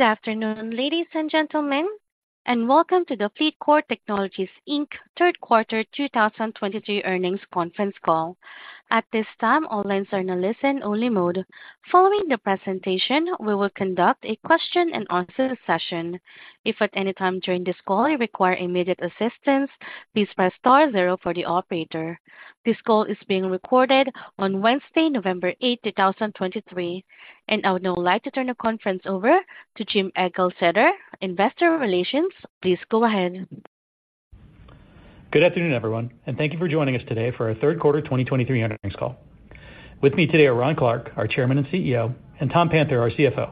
Good afternoon, ladies and gentlemen, and welcome to the FLEETCOR Technologies, Inc. Third Quarter 2023 Earnings Conference Call. At this time, all lines are in a listen-only mode. Following the presentation, we will conduct a question-and-answer session. If at any time during this call you require immediate assistance, please press star zero for the operator. This call is being recorded on Wednesday, November 8, 2023. I would now like to turn the conference over to Jim Eglseder, Investor Relations. Please go ahead. Good afternoon, everyone, and thank you for joining us today for our third quarter 2023 earnings call. With me today are Ron Clarke, our Chairman and CEO, and Tom Panther, our CFO.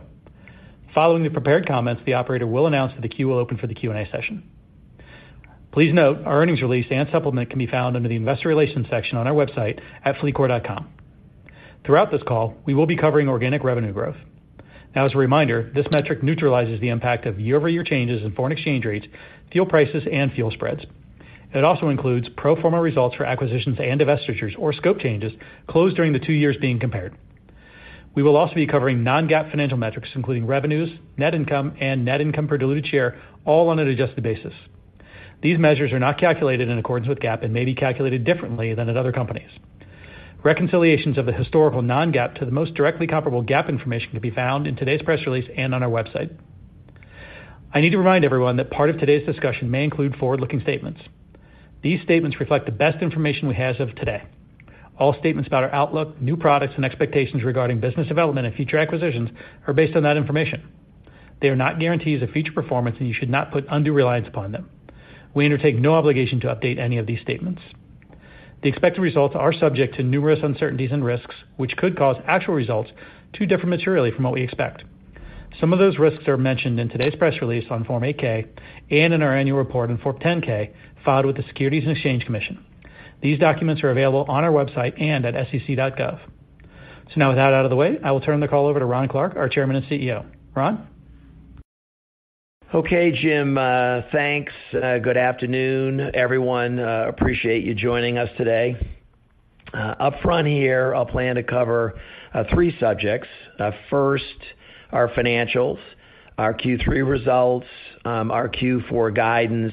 Following the prepared comments, the operator will announce that the queue will open for the Q&A session. Please note, our earnings release and supplement can be found under the Investor Relations section on our website at fleetcor.com. Throughout this call, we will be covering organic revenue growth. Now, as a reminder, this metric neutralizes the impact of year-over-year changes in foreign exchange rates, fuel prices, and fuel spreads. It also includes pro forma results for acquisitions and divestitures or scope changes closed during the two years being compared. We will also be covering non-GAAP financial metrics, including revenues, net income, and net income per diluted share, all on an adjusted basis. These measures are not calculated in accordance with GAAP and may be calculated differently than at other companies. Reconciliations of the historical non-GAAP to the most directly comparable GAAP information can be found in today's press release and on our website. I need to remind everyone that part of today's discussion may include forward-looking statements. These statements reflect the best information we have as of today. All statements about our outlook, new products, and expectations regarding business development and future acquisitions are based on that information. They are not guarantees of future performance, and you should not put undue reliance upon them. We undertake no obligation to update any of these statements. The expected results are subject to numerous uncertainties and risks, which could cause actual results to differ materially from what we expect. Some of those risks are mentioned in today's press release on Form 8-K and in our annual report on Form 10-K, filed with the Securities and Exchange Commission. These documents are available on our website and at sec.gov. So now, with that out of the way, I will turn the call over to Ron Clarke, our Chairman and CEO. Ron? Okay, Jim, thanks. Good afternoon, everyone. Appreciate you joining us today. Upfront here, I'll plan to cover three subjects. First, our financials, our Q3 results, our Q4 guidance,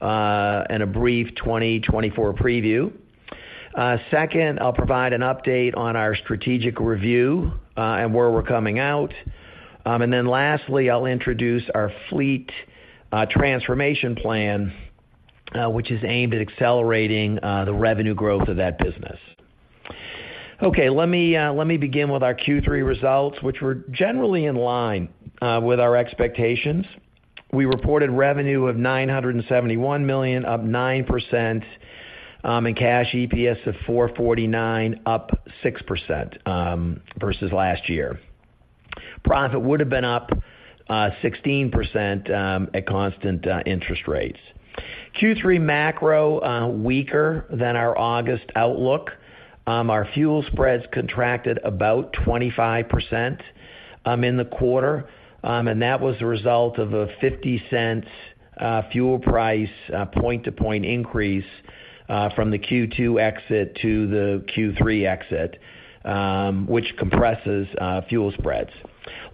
and a brief 2024 preview. Second, I'll provide an update on our strategic review, and where we're coming out. And then lastly, I'll introduce our Fleet Transformation Plan, which is aimed at accelerating the revenue growth of that business. Okay, let me begin with our Q3 results, which were generally in line with our expectations. We reported revenue of $971 million, up 9%, and Cash EPS of $4.49, up 6%, versus last year. Profit would have been up 16% at constant interest rates. Q3 macro weaker than our August outlook. Our fuel spreads contracted about 25% in the quarter, and that was a result of a $0.50 fuel price point-to-point increase from the Q2 exit to the Q3 exit, which compresses fuel spreads.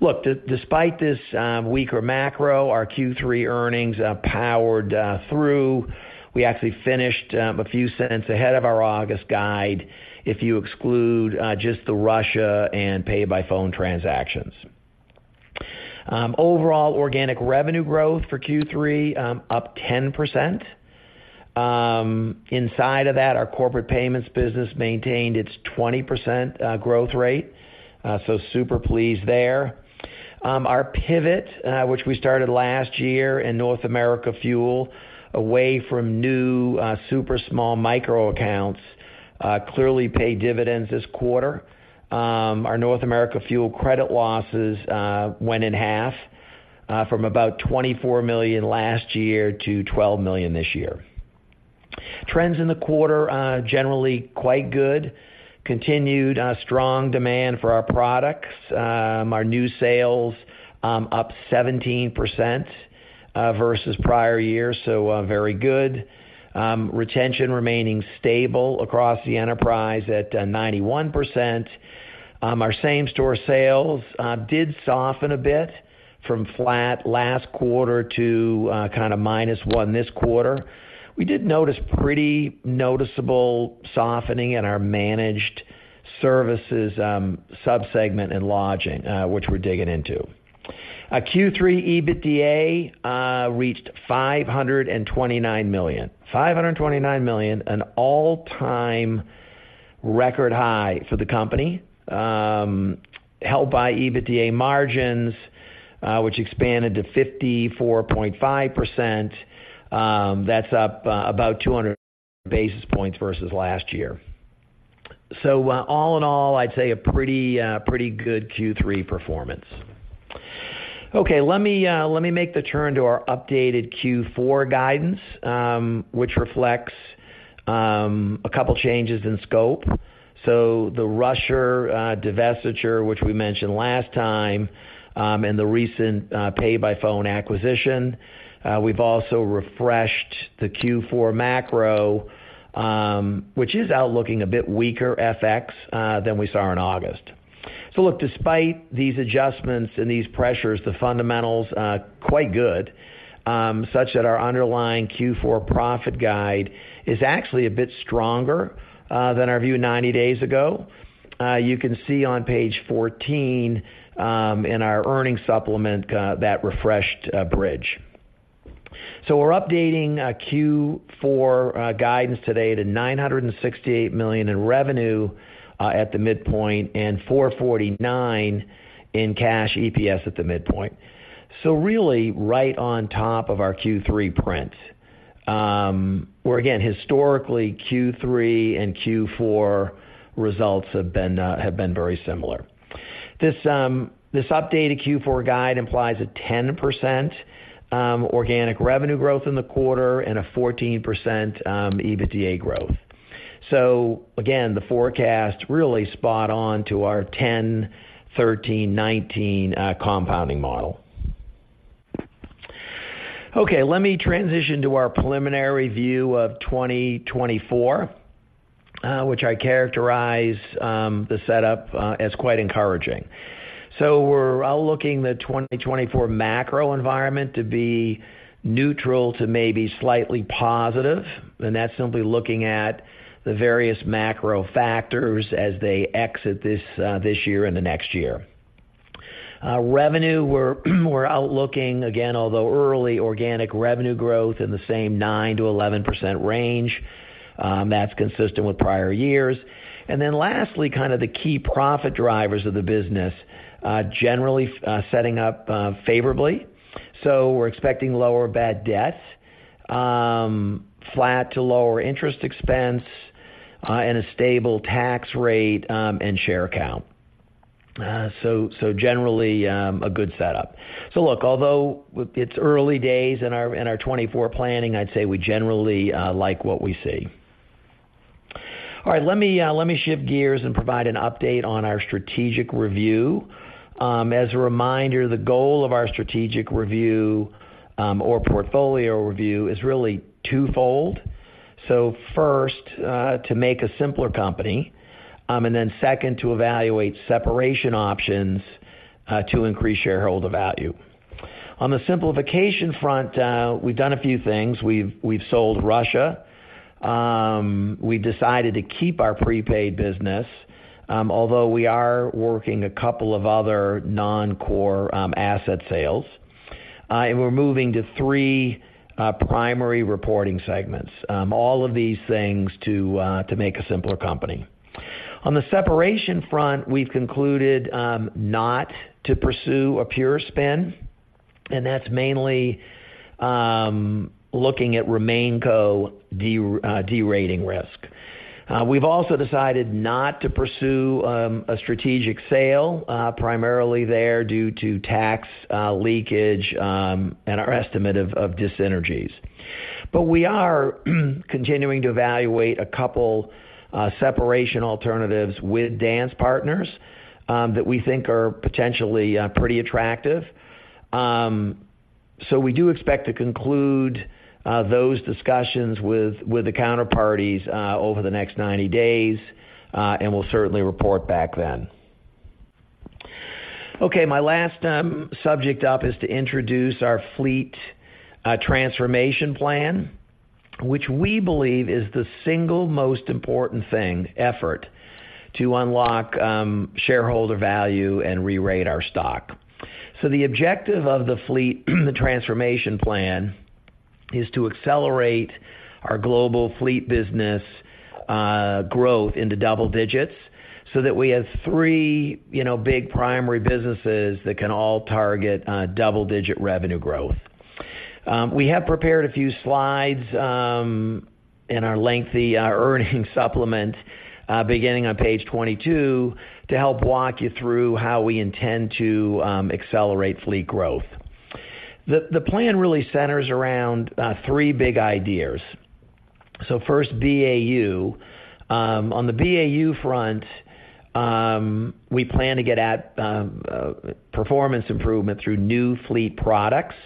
Look, despite this weaker macro, our Q3 earnings powered through. We actually finished a few cents ahead of our August guide, if you exclude just the Russia and PayByPhone transactions. Overall organic revenue growth for Q3 up 10%. Inside of that, our corporate payments business maintained its 20% growth rate, so super pleased there. Our pivot, which we started last year in North America Fuel, away from new super small micro accounts, clearly paid dividends this quarter. Our North America Fuel credit losses went in half from about $24 million last year to $12 million this year. Trends in the quarter generally quite good. Continued strong demand for our products. Our new sales up 17% versus prior year, so very good. Retention remaining stable across the enterprise at 91%. Our same-store sales did soften a bit from flat last quarter to kind of -1% this quarter. We did notice pretty noticeable softening in our managed services sub-segment and lodging, which we're digging into. A Q3 EBITDA reached $529 million. $529 million, an all-time record high for the company, held by EBITDA margins which expanded to 54.5%. That's up about 200 basis points versus last year. So, all in all, I'd say a pretty, pretty good Q3 performance. Okay, let me, let me make the turn to our updated Q4 guidance, which reflects a couple changes in scope. So the Russia divestiture, which we mentioned last time, and the recent PayByPhone acquisition. We've also refreshed the Q4 macro, which is outlooking a bit weaker FX than we saw in August. So look, despite these adjustments and these pressures, the fundamentals are quite good, such that our underlying Q4 profit guide is actually a bit stronger than our view 90 days ago. You can see on page 14 in our earnings supplement, that refreshed bridge. So we're updating our Q4 guidance today to $968 million in revenue at the midpoint, and 449 in cash EPS at the midpoint. So really, right on top of our Q3 print. Where again, historically, Q3 and Q4 results have been very similar. This updated Q4 guide implies a 10% organic revenue growth in the quarter and a 14% EBITDA growth. So again, the forecast really spot on to our 10, 13, 19 compounding model. Okay, let me transition to our preliminary view of 2024, which I characterize the setup as quite encouraging. So we're outlooking the 2024 macro environment to be neutral to maybe slightly positive, and that's simply looking at the various macro factors as they exit this year and the next year. Revenue, we're outlooking, again, although early organic revenue growth in the same 9%-11% range, that's consistent with prior years. Then lastly, kind of the key profit drivers of the business, generally setting up favorably. So we're expecting lower bad debts, flat to lower interest expense, and a stable tax rate, and share count. So generally, a good setup. So look, although it's early days in our 2024 planning, I'd say we generally like what we see. All right, let me shift gears and provide an update on our strategic review. As a reminder, the goal of our strategic review, or portfolio review is really twofold. So first, to make a simpler company, and then second, to evaluate separation options, to increase shareholder value. On the simplification front, we've done a few things. We've sold Russia, we've decided to keep our prepaid business, although we are working a couple of other non-core asset sales. And we're moving to three primary reporting segments, all of these things to make a simpler company. On the separation front, we've concluded not to pursue a pure spin, and that's mainly looking at RemainCo derating risk. We've also decided not to pursue a strategic sale, primarily there due to tax leakage, and our estimate of dyssynergies. But we are continuing to evaluate a couple, separation alternatives with dance partners, that we think are potentially, pretty attractive. So we do expect to conclude, those discussions with, with the counterparties, over the next 90 days, and we'll certainly report back then. Okay, my last, subject up is to introduce our fleet, transformation plan, which we believe is the single most important thing, effort to unlock, shareholder value and rerate our stock. So the objective of the fleet, the transformation plan, is to accelerate our global fleet business, growth into double digits so that we have three, you know, big primary businesses that can all target, double-digit revenue growth. We have prepared a few slides in our lengthy earnings supplement beginning on page 22 to help walk you through how we intend to accelerate fleet growth. The plan really centers around three big ideas. So first, BAU. On the BAU front, we plan to get at performance improvement through new fleet products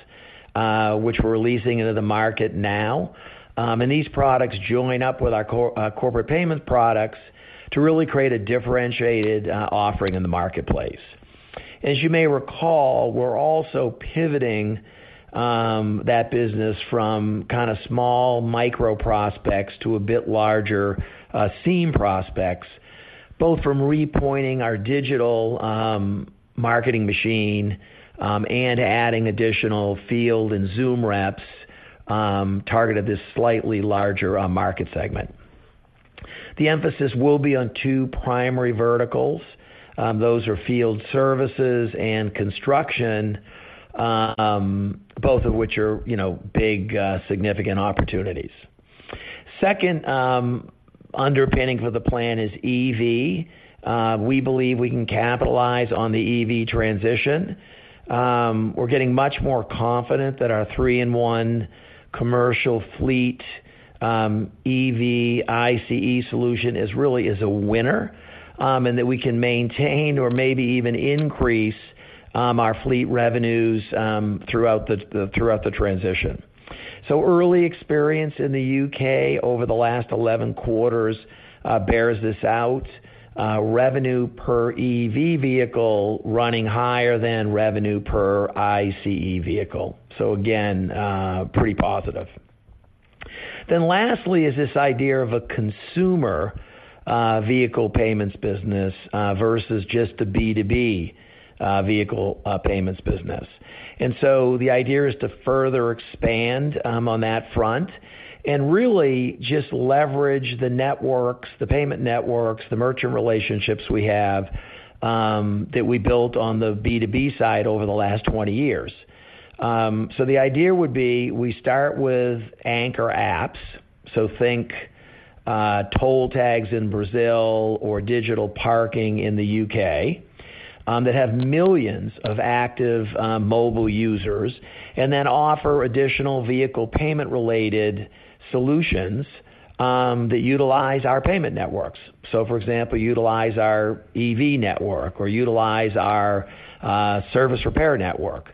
which we're releasing into the market now. And these products join up with our corporate payment products to really create a differentiated offering in the marketplace. As you may recall, we're also pivoting that business from kind of small micro prospects to a bit larger SME prospects, both from repointing our digital marketing machine and adding additional field and Zoom reps targeted at this slightly larger market segment. The emphasis will be on two primary verticals. Those are field services and construction, both of which are, you know, big, significant opportunities. Second, underpinning for the plan is EV. We believe we can capitalize on the EV transition. We're getting much more confident that our three-in-one commercial fleet, EV, ICE solution is really a winner, and that we can maintain or maybe even increase our fleet revenues throughout the transition. So early experience in the U.K. over the last 11 quarters bears this out. Revenue per EV vehicle running higher than revenue per ICE vehicle. So again, pretty positive. Then lastly, is this idea of a consumer vehicle payments business versus just the B2B vehicle payments business. The idea is to further expand on that front and really just leverage the networks, the payment networks, the merchant relationships we have that we built on the B2B side over the last 20 years. So the idea would be, we start with anchor apps. So think toll tags in Brazil or digital parking in the U.K. that have millions of active mobile users, and then offer additional vehicle payment-related solutions that utilize our payment networks. So, for example, utilize our EV network or utilize our service repair network.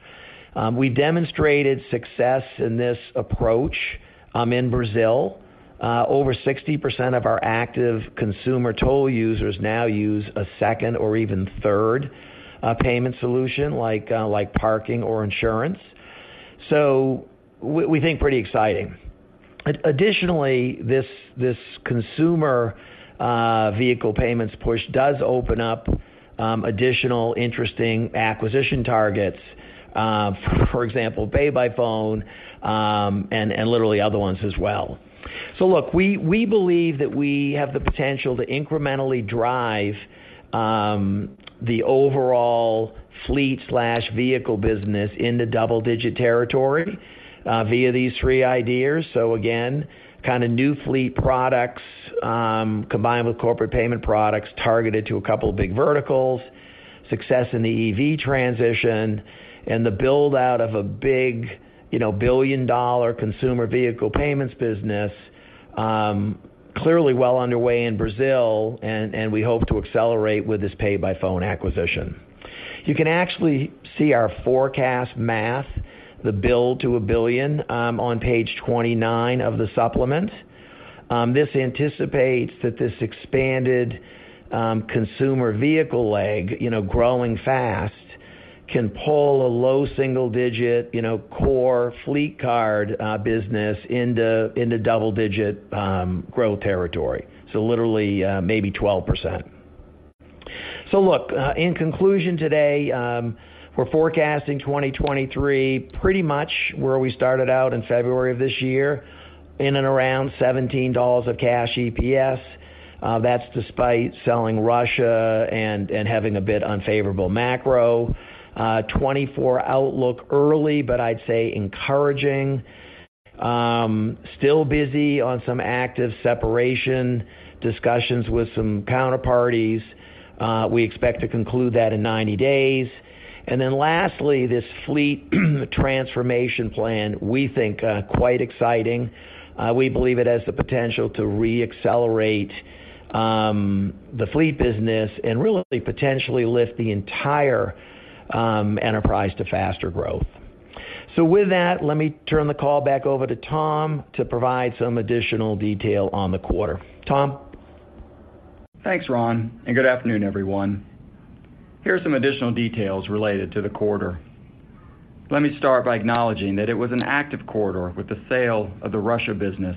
We demonstrated success in this approach in Brazil. Over 60% of our active consumer toll users now use a second or even third payment solution, like parking or insurance. So we think pretty exciting. Additionally, this consumer vehicle payments push does open up additional interesting acquisition targets, for example, PayByPhone, and literally other ones as well. So look, we believe that we have the potential to incrementally drive the overall fleet/vehicle business into double-digit territory via these three ideas. So again, kind of new fleet products combined with corporate payment products targeted to a couple of big verticals, success in the EV transition, and the build-out of a big, you know, billion-dollar consumer vehicle payments business, clearly well underway in Brazil, and we hope to accelerate with this PayByPhone acquisition. You can actually see our forecast math, the build to $1 billion, on page 29 of the supplement. This anticipates that this expanded consumer vehicle leg, you know, growing fast, can pull a low single digit, you know, core fleet card business into double-digit growth territory. So literally, maybe 12%. So look, in conclusion today, we're forecasting 2023, pretty much where we started out in February of this year, in and around $17 of cash EPS. That's despite selling Russia and having a bit unfavorable macro. 2024 outlook early, but I'd say encouraging. Still busy on some active separation discussions with some counterparties. We expect to conclude that in 90 days. And then lastly, this fleet transformation plan, we think, quite exciting. We believe it has the potential to reaccelerate the fleet business and really potentially lift the entire enterprise to faster growth. With that, let me turn the call back over to Tom to provide some additional detail on the quarter. Tom? Thanks, Ron, and good afternoon, everyone. Here are some additional details related to the quarter. Let me start by acknowledging that it was an active quarter with the sale of the Russia business,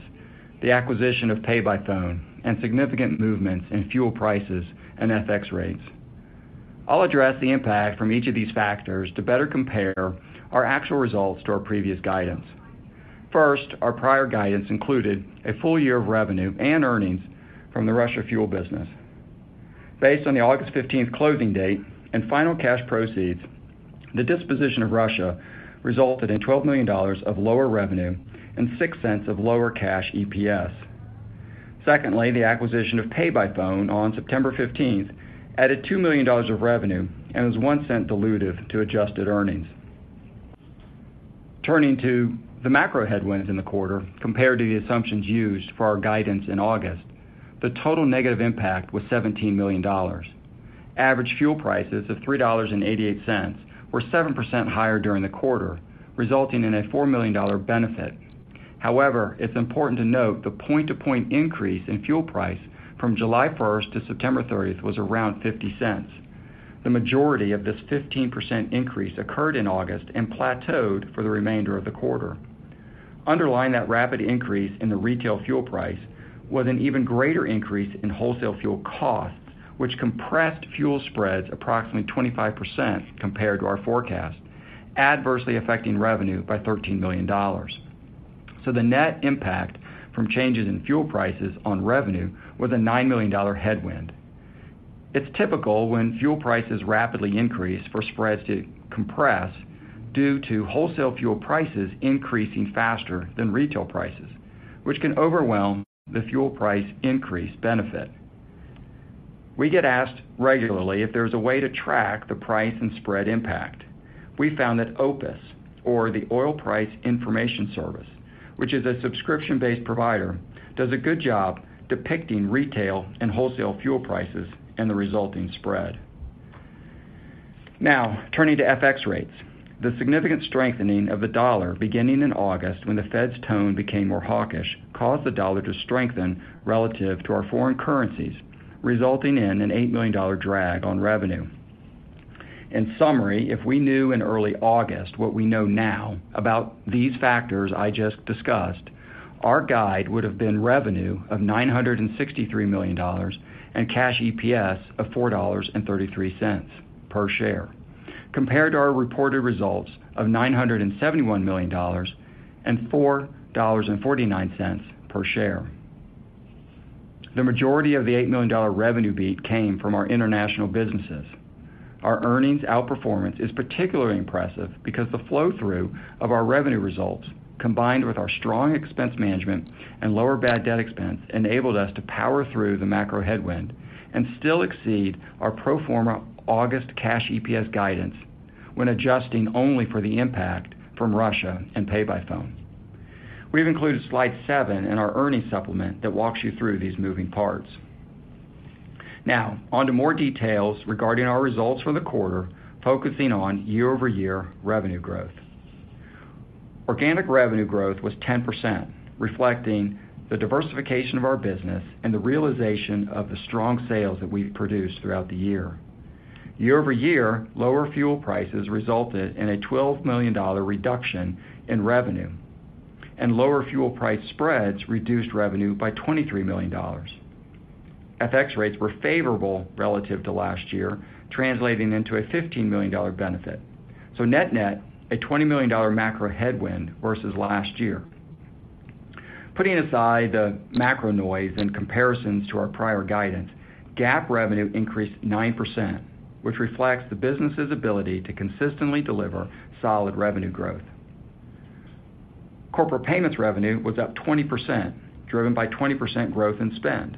the acquisition of PayByPhone, and significant movements in fuel prices and FX rates. I'll address the impact from each of these factors to better compare our actual results to our previous guidance. First, our prior guidance included a full year of revenue and earnings from the Russia fuel business. Based on the August 15th closing date and final cash proceeds, the disposition of Russia resulted in $12 million of lower revenue and $0.06 of lower Cash EPS. Secondly, the acquisition of PayByPhone on September 15th added $2 million of revenue and was $0.01 dilutive to adjusted earnings. Turning to the macro headwinds in the quarter compared to the assumptions used for our guidance in August, the total negative impact was $17 million. Average fuel prices of $3.88 were 7% higher during the quarter, resulting in a $4 million benefit. However, it's important to note the point-to-point increase in fuel price from July 1st to September 30th was around $0.50. The majority of this 15% increase occurred in August and plateaued for the remainder of the quarter. Underlying that rapid increase in the retail fuel price was an even greater increase in wholesale fuel costs, which compressed fuel spreads approximately 25% compared to our forecast, adversely affecting revenue by $13 million. The net impact from changes in fuel prices on revenue was a $9 million headwind. It's typical when fuel prices rapidly increase for spreads to compress due to wholesale fuel prices increasing faster than retail prices, which can overwhelm the fuel price increase benefit. We get asked regularly if there's a way to track the price and spread impact. We found that OPIS, or the Oil Price Information Service, which is a subscription-based provider, does a good job depicting retail and wholesale fuel prices and the resulting spread. Now, turning to FX rates. The significant strengthening of the dollar beginning in August, when the Fed's tone became more hawkish, caused the dollar to strengthen relative to our foreign currencies, resulting in an $8 million drag on revenue. In summary, if we knew in early August what we know now about these factors I just discussed, our guide would have been revenue of $963 million, and cash EPS of $4.33 per share, compared to our reported results of $971 million and $4.49 per share. The majority of the $8 million revenue beat came from our international businesses. Our earnings outperformance is particularly impressive because the flow-through of our revenue results, combined with our strong expense management and lower bad debt expense, enabled us to power through the macro headwind and still exceed our pro forma August cash EPS guidance when adjusting only for the impact from Russia and PayByPhone. We've included slide seven in our earnings supplement that walks you through these moving parts. Now, on to more details regarding our results for the quarter, focusing on year-over-year revenue growth. Organic revenue growth was 10%, reflecting the diversification of our business and the realization of the strong sales that we've produced throughout the year. Year-over-year, lower fuel prices resulted in a $12 million reduction in revenue, and lower fuel price spreads reduced revenue by $23 million. FX rates were favorable relative to last year, translating into a $15 million benefit. So net-net, a $20 million macro headwind versus last year. Putting aside the macro noise and comparisons to our prior guidance, GAAP revenue increased 9%, which reflects the business's ability to consistently deliver solid revenue growth. Corporate payments revenue was up 20%, driven by 20% growth in spend.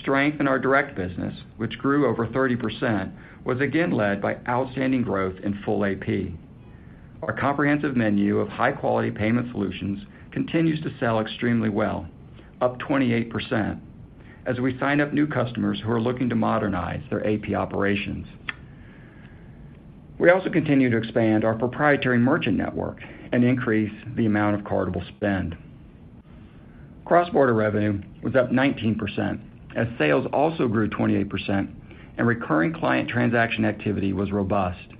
Strength in our direct business, which grew over 30%, was again led by outstanding growth in full AP. Our comprehensive menu of high-quality payment solutions continues to sell extremely well, up 28%, as we sign up new customers who are looking to modernize their AP operations. We also continue to expand our proprietary merchant network and increase the amount of cardable spend. Cross-border revenue was up 19%, as sales also grew 28% and recurring client transaction activity was robust.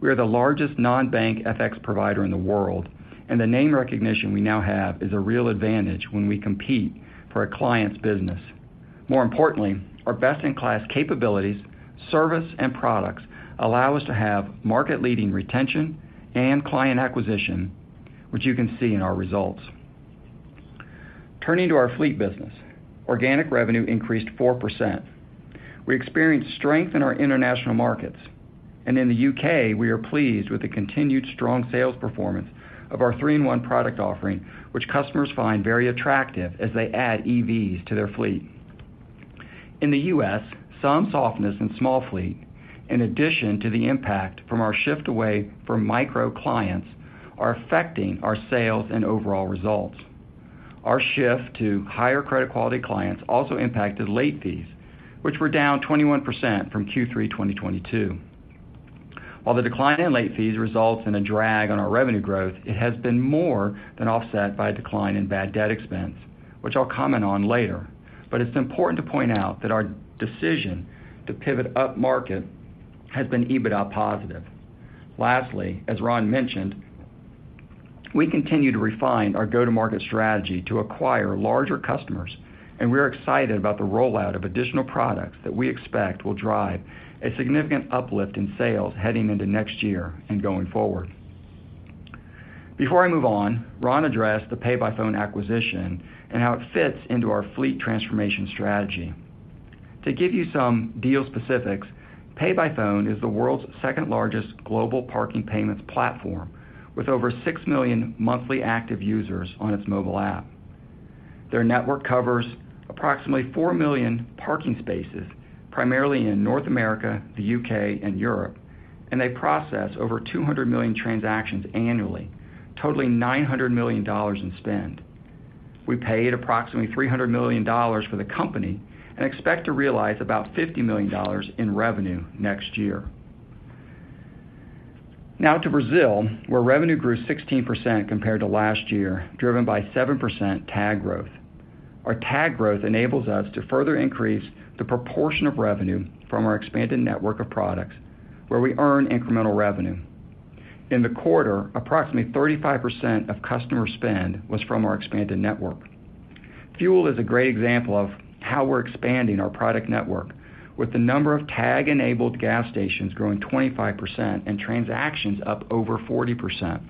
We are the largest non-bank FX provider in the world, and the name recognition we now have is a real advantage when we compete for a client's business. More importantly, our best-in-class capabilities, service, and products allow us to have market-leading retention and client acquisition, which you can see in our results. Turning to our fleet business, organic revenue increased 4%. We experienced strength in our international markets, and in the U.K., we are pleased with the continued strong sales performance of our three-in-one product offering, which customers find very attractive as they add EVs to their fleet. In the U.S., some softness in small fleet, in addition to the impact from our shift away from micro clients, are affecting our sales and overall results. Our shift to higher credit quality clients also impacted late fees, which were down 21% from Q3 2022. While the decline in late fees results in a drag on our revenue growth, it has been more than offset by a decline in bad debt expense, which I'll comment on later. But it's important to point out that our decision to pivot upmarket has been EBITDA positive. Lastly, as Ron mentioned, we continue to refine our go-to-market strategy to acquire larger customers, and we are excited about the rollout of additional products that we expect will drive a significant uplift in sales heading into next year and going forward. Before I move on, Ron addressed the PayByPhone acquisition and how it fits into our fleet transformation strategy. To give you some deal specifics, PayByPhone is the world's second-largest global parking payments platform, with over 6 million monthly active users on its mobile app. Their network covers approximately 4 million parking spaces, primarily in North America, the U.K., and Europe, and they process over 200 million transactions annually, totaling $900 million in spend. We paid approximately $300 million for the company and expect to realize about $50 million in revenue next year. Now to Brazil, where revenue grew 16% compared to last year, driven by 7% tag growth. Our tag growth enables us to further increase the proportion of revenue from our expanded network of products, where we earn incremental revenue. In the quarter, approximately 35% of customer spend was from our expanded network. Fuel is a great example of how we're expanding our product network, with the number of tag-enabled gas stations growing 25% and transactions up over 40%.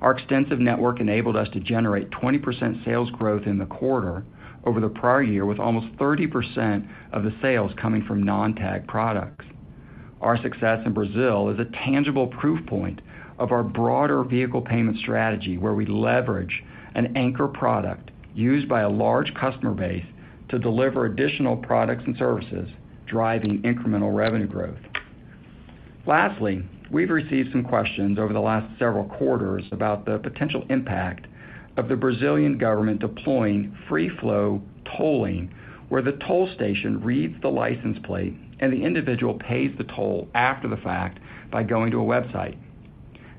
Our extensive network enabled us to generate 20% sales growth in the quarter over the prior year, with almost 30% of the sales coming from non-tag products. Our success in Brazil is a tangible proof point of our broader vehicle payment strategy, where we leverage an anchor product used by a large customer base to deliver additional products and services, driving incremental revenue growth.... Lastly, we've received some questions over the last several quarters about the potential impact of the Brazilian government deploying free-flow tolling, where the toll station reads the license plate, and the individual pays the toll after the fact by going to a website.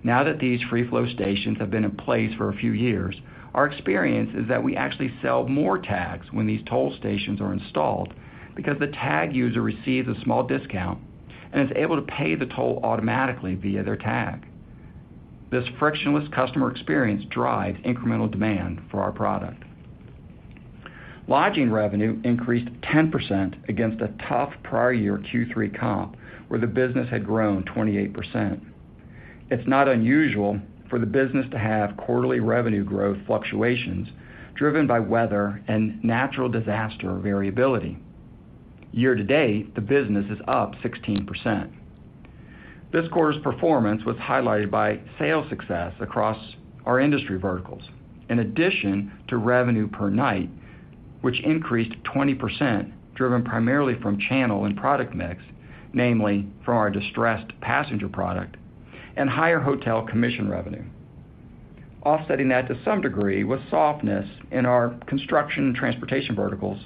Now that these free-flow stations have been in place for a few years, our experience is that we actually sell more tags when these toll stations are installed, because the tag user receives a small discount and is able to pay the toll automatically via their tag. This frictionless customer experience drives incremental demand for our product. Lodging revenue increased 10% against a tough prior year Q3 comp, where the business had grown 28%. It's not unusual for the business to have quarterly revenue growth fluctuations driven by weather and natural disaster variability. Year-to-date, the business is up 16%. This quarter's performance was highlighted by sales success across our industry verticals, in addition to revenue per night, which increased 20%, driven primarily from channel and product mix, namely from our distressed passenger product and higher hotel commission revenue. Offsetting that to some degree was softness in our construction and transportation verticals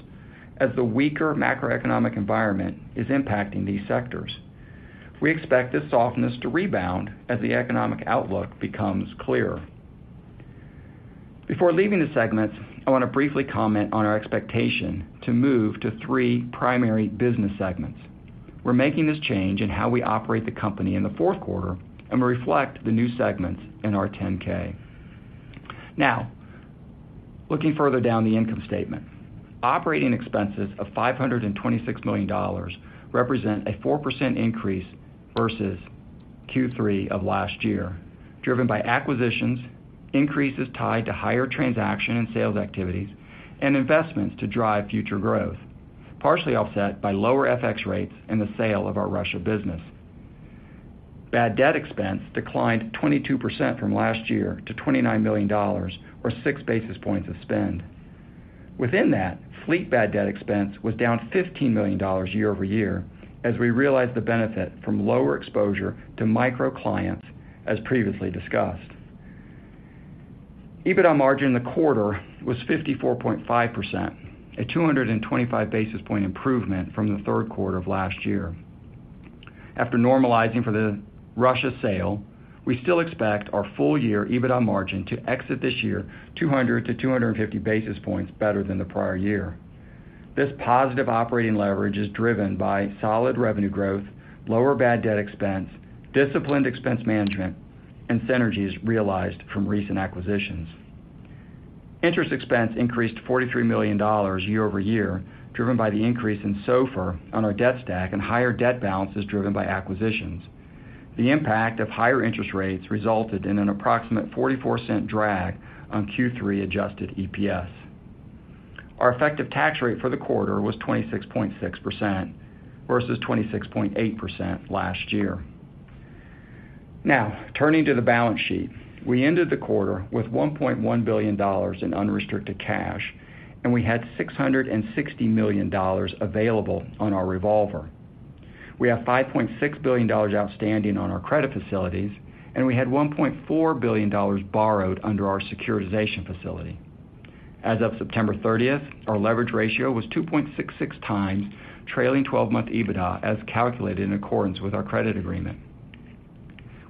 as the weaker macroeconomic environment is impacting these sectors. We expect this softness to rebound as the economic outlook becomes clearer. Before leaving the segments, I want to briefly comment on our expectation to move to three primary business segments. We're making this change in how we operate the company in the fourth quarter, and we reflect the new segments in our 10-K. Now, looking further down the income statement. Operating expenses of $526 million represent a 4% increase versus Q3 of last year, driven by acquisitions, increases tied to higher transaction and sales activities, and investments to drive future growth, partially offset by lower FX rates and the sale of our Russia business. Bad debt expense declined 22% from last year to $29 million, or 6 basis points of spend. Within that, fleet bad debt expense was down $15 million year-over-year, as we realized the benefit from lower exposure to micro clients, as previously discussed. EBITDA margin in the quarter was 54.5%, a 225 basis point improvement from the third quarter of last year. After normalizing for the Russia sale, we still expect our full-year EBITDA margin to exit this year 200-250 basis points better than the prior year. This positive operating leverage is driven by solid revenue growth, lower bad debt expense, disciplined expense management, and synergies realized from recent acquisitions. Interest expense increased to $43 million year-over-year, driven by the increase in SOFR on our debt stack and higher debt balances driven by acquisitions. The impact of higher interest rates resulted in an approximate $0.44 drag on Q3 adjusted EPS. Our effective tax rate for the quarter was 26.6% versus 26.8% last year. Now, turning to the balance sheet. We ended the quarter with $1.1 billion in unrestricted cash, and we had $660 million available on our revolver. We have $5.6 billion outstanding on our credit facilities, and we had $1.4 billion borrowed under our securitization facility. As of September 30th, our leverage ratio was 2.66x, trailing twelve-month EBITDA, as calculated in accordance with our credit agreement.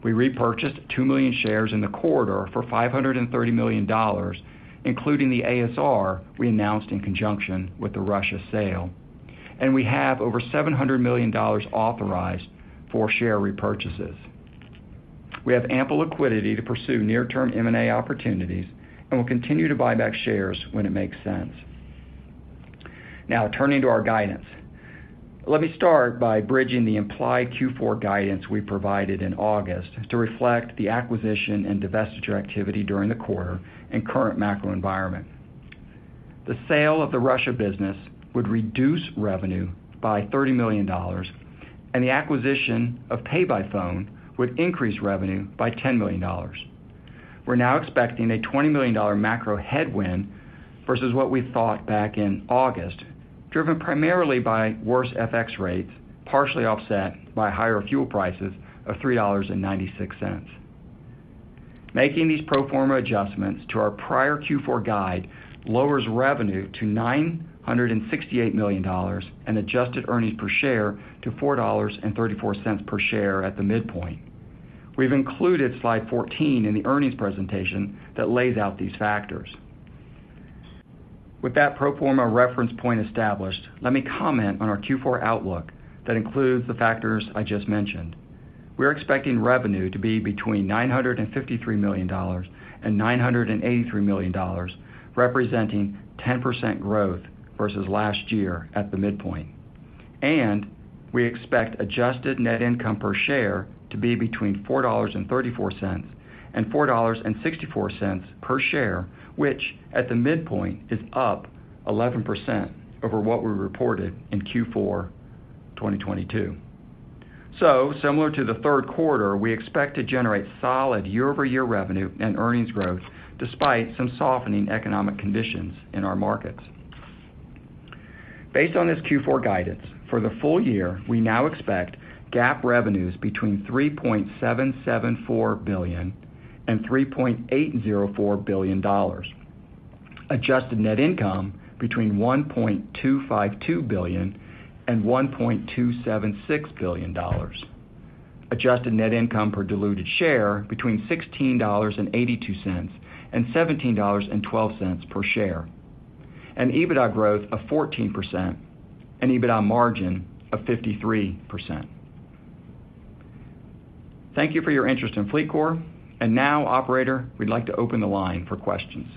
We repurchased 2 million shares in the quarter for $530 million, including the ASR we announced in conjunction with the Russia sale, and we have over $700 million authorized for share repurchases. We have ample liquidity to pursue near-term M&A opportunities and will continue to buy back shares when it makes sense. Now, turning to our guidance. Let me start by bridging the implied Q4 guidance we provided in August to reflect the acquisition and divestiture activity during the quarter and current macro environment. The sale of the Russia business would reduce revenue by $30 million, and the acquisition of PayByPhone would increase revenue by $10 million. We're now expecting a $20 million macro headwind versus what we thought back in August, driven primarily by worse FX rates, partially offset by higher fuel prices of $3.96. Making these pro forma adjustments to our prior Q4 guide lowers revenue to $968 million and adjusted earnings per share to $4.34 per share at the midpoint. We've included slide 14 in the earnings presentation that lays out these factors. With that pro forma reference point established, let me comment on our Q4 outlook that includes the factors I just mentioned. We're expecting revenue to be between $953 million and $983 million, representing 10% growth versus last year at the midpoint. We expect adjusted net income per share to be between $4.34 and $4.64 per share, which at the midpoint, is up 11% over what we reported in Q4 2022. Similar to the third quarter, we expect to generate solid year-over-year revenue and earnings growth despite some softening economic conditions in our markets. Based on this Q4 guidance, for the full year, we now expect GAAP revenues between $3.774 billion and $3.804 billion. Adjusted net income between $1.252 billion and $1.276 billion. Adjusted net income per diluted share between $16.82 and $17.12 per share. And EBITDA growth of 14%, and EBITDA margin of 53%. Thank you for your interest in FLEETCOR. And now, operator, we'd like to open the line for questions.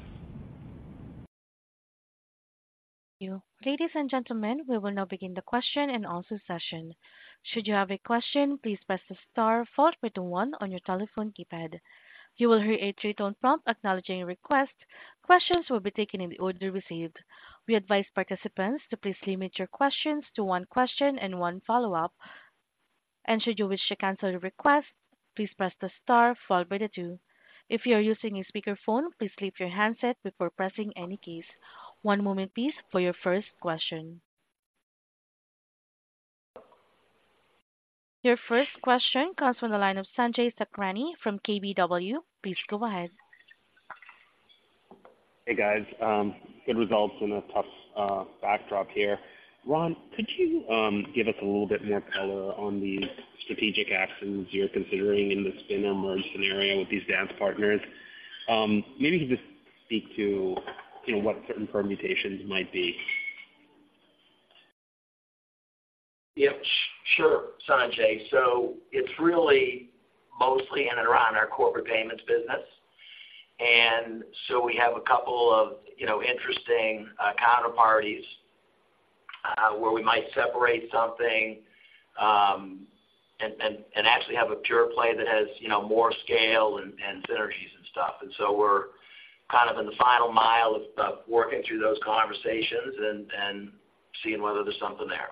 Thank you. Ladies and gentlemen, we will now begin the question and answer session. Should you have a question, please press the star followed by the one on your telephone keypad. You will hear a three-tone prompt acknowledging your request. Questions will be taken in the order received. We advise participants to please limit your questions to one question and one follow-up. Should you wish to cancel your request, please press the star followed by the two. If you are using a speakerphone, please leave your handset before pressing any keys. One moment, please, for your first question. Your first question comes from the line of Sanjay Sakhrani from KBW. Please go ahead. Hey, guys, good results in a tough, backdrop here. Ron, could you, give us a little bit more color on the strategic actions you're considering in the spin or merge scenario with these dance partners? Maybe just speak to, you know, what certain permutations might be. Yep, sure, Sanjay. So it's really mostly in and around our corporate payments business. And so we have a couple of, you know, interesting counterparties where we might separate something and actually have a pure play that has, you know, more scale and synergies and stuff. And so we're kind of in the final mile of working through those conversations and seeing whether there's something there.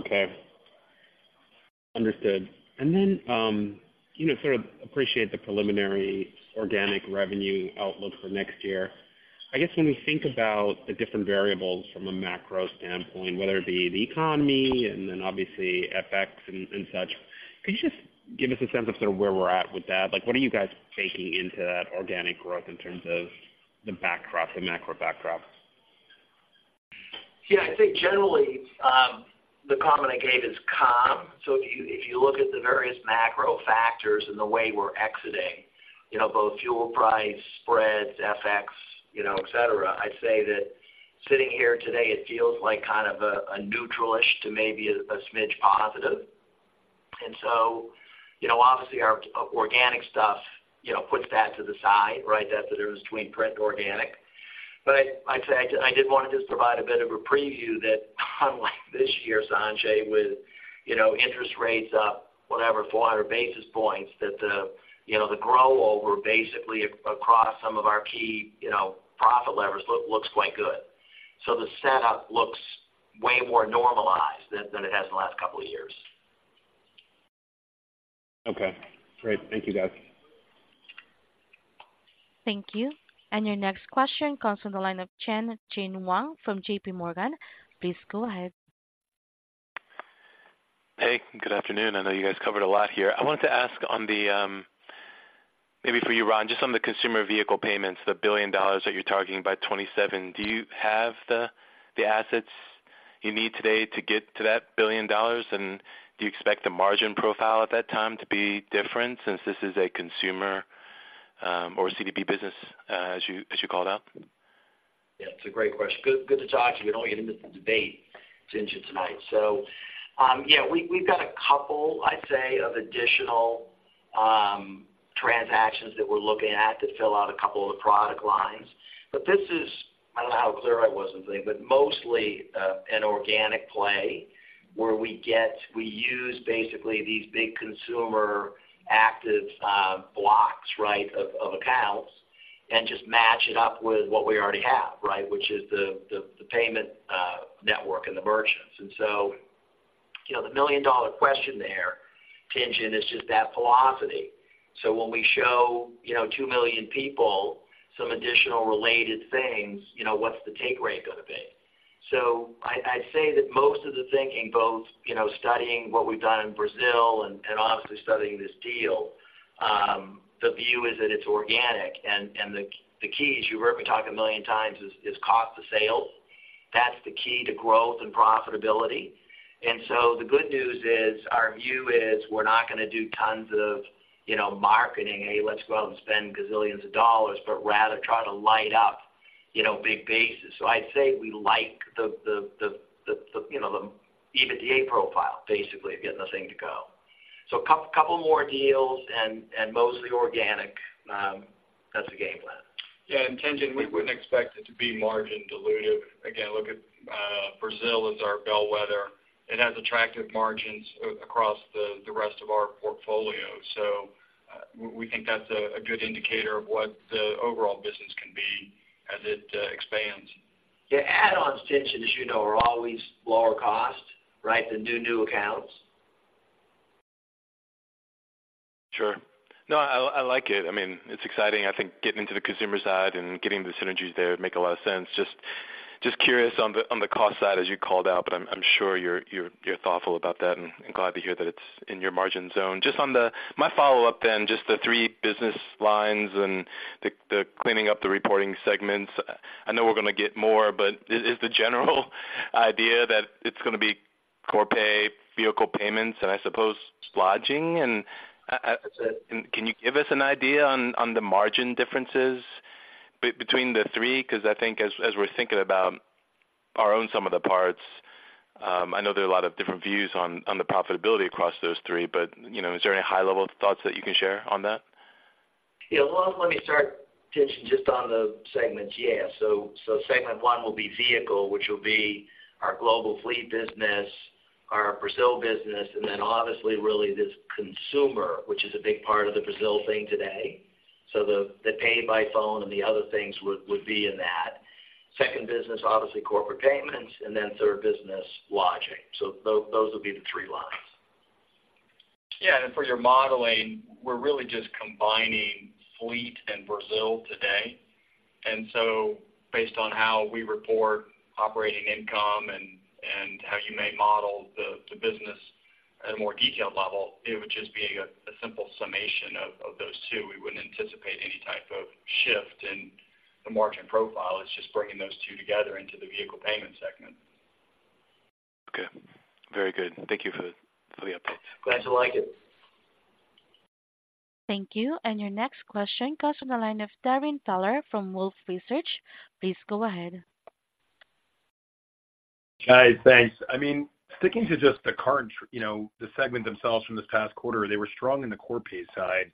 Okay. Understood. And then, you know, sort of appreciate the preliminary organic revenue outlook for next year. I guess when we think about the different variables from a macro standpoint, whether it be the economy and then obviously FX and such, could you just give us a sense of sort of where we're at with that? Like, what are you guys baking into that organic growth in terms of the backdrop, the macro backdrop? Yeah, I think generally, the comment I gave is calm. So if you look at the various macro factors and the way we're exiting, you know, both fuel price, spreads, FX, you know, et cetera, I'd say that sitting here today, it feels like kind of a neutral-ish to maybe a smidge positive. And so, you know, obviously, our organic stuff, you know, puts that to the side, right? That's the difference between print and organic. But I'd say I did want to just provide a bit of a preview that unlike this year, Sanjay, with, you know, interest rates up, whatever, 400 basis points, that the, you know, the growth over basically across some of our key, you know, profit levers looks quite good. So the setup looks way more normalized than it has in the last couple of years. Okay, great. Thank you, guys. Thank you. And your next question comes from the line of Tien-Tsin Huang from J.P. Morgan. Please go ahead. Hey, good afternoon. I know you guys covered a lot here. I wanted to ask on the, maybe for you, Ron, just on the consumer vehicle payments, the $1 billion that you're targeting by 2027. Do you have the assets you need today to get to that $1 billion? And do you expect the margin profile at that time to be different since this is a consumer, or CDP business, as you called out? Yeah, it's a great question. Good, good to talk to you. We don't get into the debate since you tonight. So, yeah, we, we've got a couple, I'd say, of additional, transactions that we're looking at to fill out a couple of the product lines. But this is, I don't know how clear I was on today, but mostly, an organic play where we use basically these big consumer active, blocks, right, of, of accounts and just match it up with what we already have, right, which is the payment, network and the merchants. And so, you know, the million-dollar question there, Tien-Tsin, is just that velocity. So when we show, you know, 2 million people some additional related things, you know, what's the take rate gonna be? So I'd say that most of the thinking, both, you know, studying what we've done in Brazil and obviously studying this deal, the view is that it's organic, and the key, as you heard me talk a million times, is cost to sales. That's the key to growth and profitability. And so the good news is, our view is we're not gonna do tons of, you know, marketing. Hey, let's go out and spend gazillions of dollars, but rather try to light up, you know, big bases. So I'd say we like the EBITDA profile, basically, of getting the thing to go. So a couple more deals and mostly organic, that's the game plan. Yeah, and Tien-Tsin, we wouldn't expect it to be margin dilutive. Again, look at Brazil as our bellwether. It has attractive margins across the rest of our portfolio. So, we think that's a good indicator of what the overall business can be as it expands. Yeah, add-ons to existing, as you know, are always lower cost, right, than new accounts. Sure. No, I like it. I mean, it's exciting. I think getting into the consumer side and getting the synergies there make a lot of sense. Just curious on the cost side, as you called out, but I'm sure you're thoughtful about that, and I'm glad to hear that it's in your margin zone. Just on the my follow-up then, just the three business lines and the cleaning up the reporting segments. I know we're gonna get more, but is the general idea that it's gonna be Corpay, vehicle payments, and I suppose, lodging? And, and can you give us an idea on the margin differences between the three? Because I think as we're thinking about our own sum of the parts, I know there are a lot of different views on the profitability across those three, but, you know, is there any high-level thoughts that you can share on that? Yeah. Well, let me start, just on the segments. Yeah, so segment one will be vehicle, which will be our global fleet business, our Brazil business, and then obviously, really, this consumer, which is a big part of the Brazil thing today. So the PayByPhone and the other things would be in that. Second business, obviously, corporate payments, and then third business, lodging. So those will be the three lines. Yeah, for your modeling, we're really just combining fleet and Brazil today. So based on how we report operating income and how you may model the business at a more detailed level, it would just be a simple summation of those two. We wouldn't anticipate any type of shift in the margin profile. It's just bringing those two together into the vehicle payment segment. Okay. Very good. Thank you for the update. Glad you like it. Thank you. And your next question comes from the line of Darrin Peller from Wolfe Research. Please go ahead. Hi, thanks. I mean, sticking to just the current, you know, the segment themselves from this past quarter, they were strong in the Corpay side.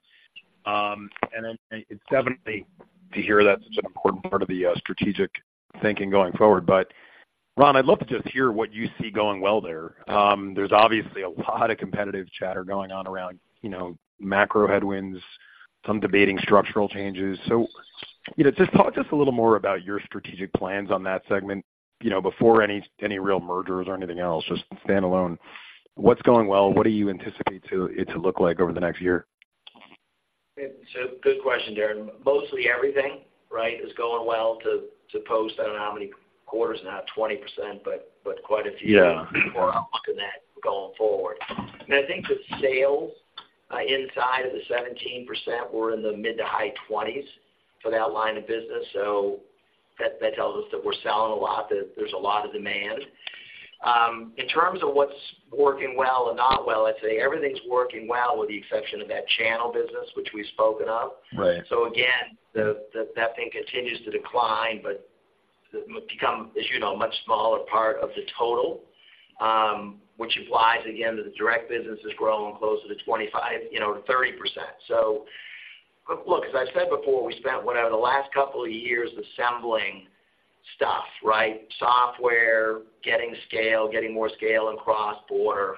And then it's definitely to hear that's such an important part of the strategic thinking going forward. But Ron, I'd love to just hear what you see going well there. There's obviously a lot of competitive chatter going on around, you know, macro headwinds, some debating structural changes. So, you know, just talk to us a little more about your strategic plans on that segment, you know, before any real mergers or anything else, just standalone. What's going well? What do you anticipate to look like over the next year? It's a good question, Darrin. Mostly everything, right, is going well to post, I don't know how many quarters now, 20%, but quite a few- Yeah. More than that going forward. And I think the sales inside of the 17% were in the mid- to high-20s for that line of business, so that, that tells us that we're selling a lot, that there's a lot of demand. In terms of what's working well and not well, I'd say everything's working well, with the exception of that channel business, which we've spoken of. Right. So again, that thing continues to decline, but become, as you know, a much smaller part of the total, which implies, again, that the direct business is growing closer to 25, you know, to 30%. So look, as I've said before, we spent whatever the last couple of years assembling stuff, right? Software, getting scale, getting more scale and cross-border.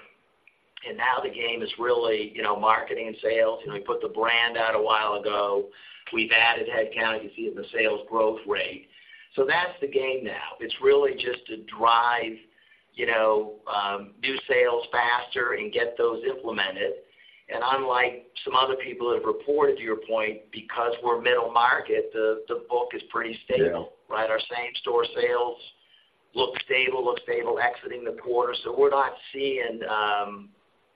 And now the game is really, you know, marketing and sales. You know, we put the brand out a while ago. We've added headcount, you can see in the sales growth rate. So that's the game now. It's really just to drive, you know, new sales faster and get those implemented. And unlike some other people that have reported, to your point, because we're middle market, the book is pretty stable. Yeah. Right? Our same-store sales look stable, look stable exiting the quarter, so we're not seeing,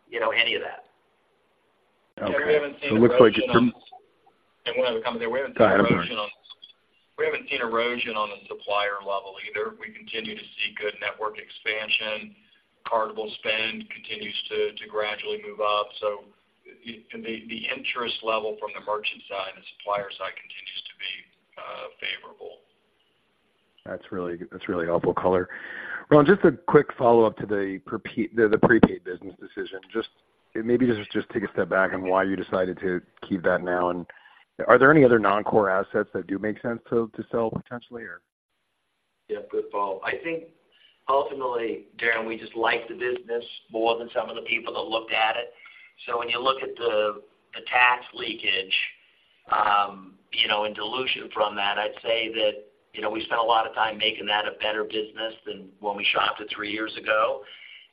you know, any of that. Okay. We haven't seen. It looks like it from. And one other comment there. Go ahead, I'm sorry. We haven't seen erosion on the supplier level either. We continue to see good network expansion. Cardable spend continues to gradually move up. So the interest level from the merchant side and the supplier side continues to be favorable. That's really, that's really helpful color. Ron, just a quick follow-up to the prepaid business decision. Just, maybe just, just take a step back on why you decided to keep that now, and are there any other non-core assets that do make sense to sell potentially, or? Yeah, good, color. I think ultimately, Darrin, we just like the business more than some of the people that looked at it. So when you look at the tax leakage, you know, and dilution from that, I'd say that, you know, we spent a lot of time making that a better business than when we shopped it three years ago.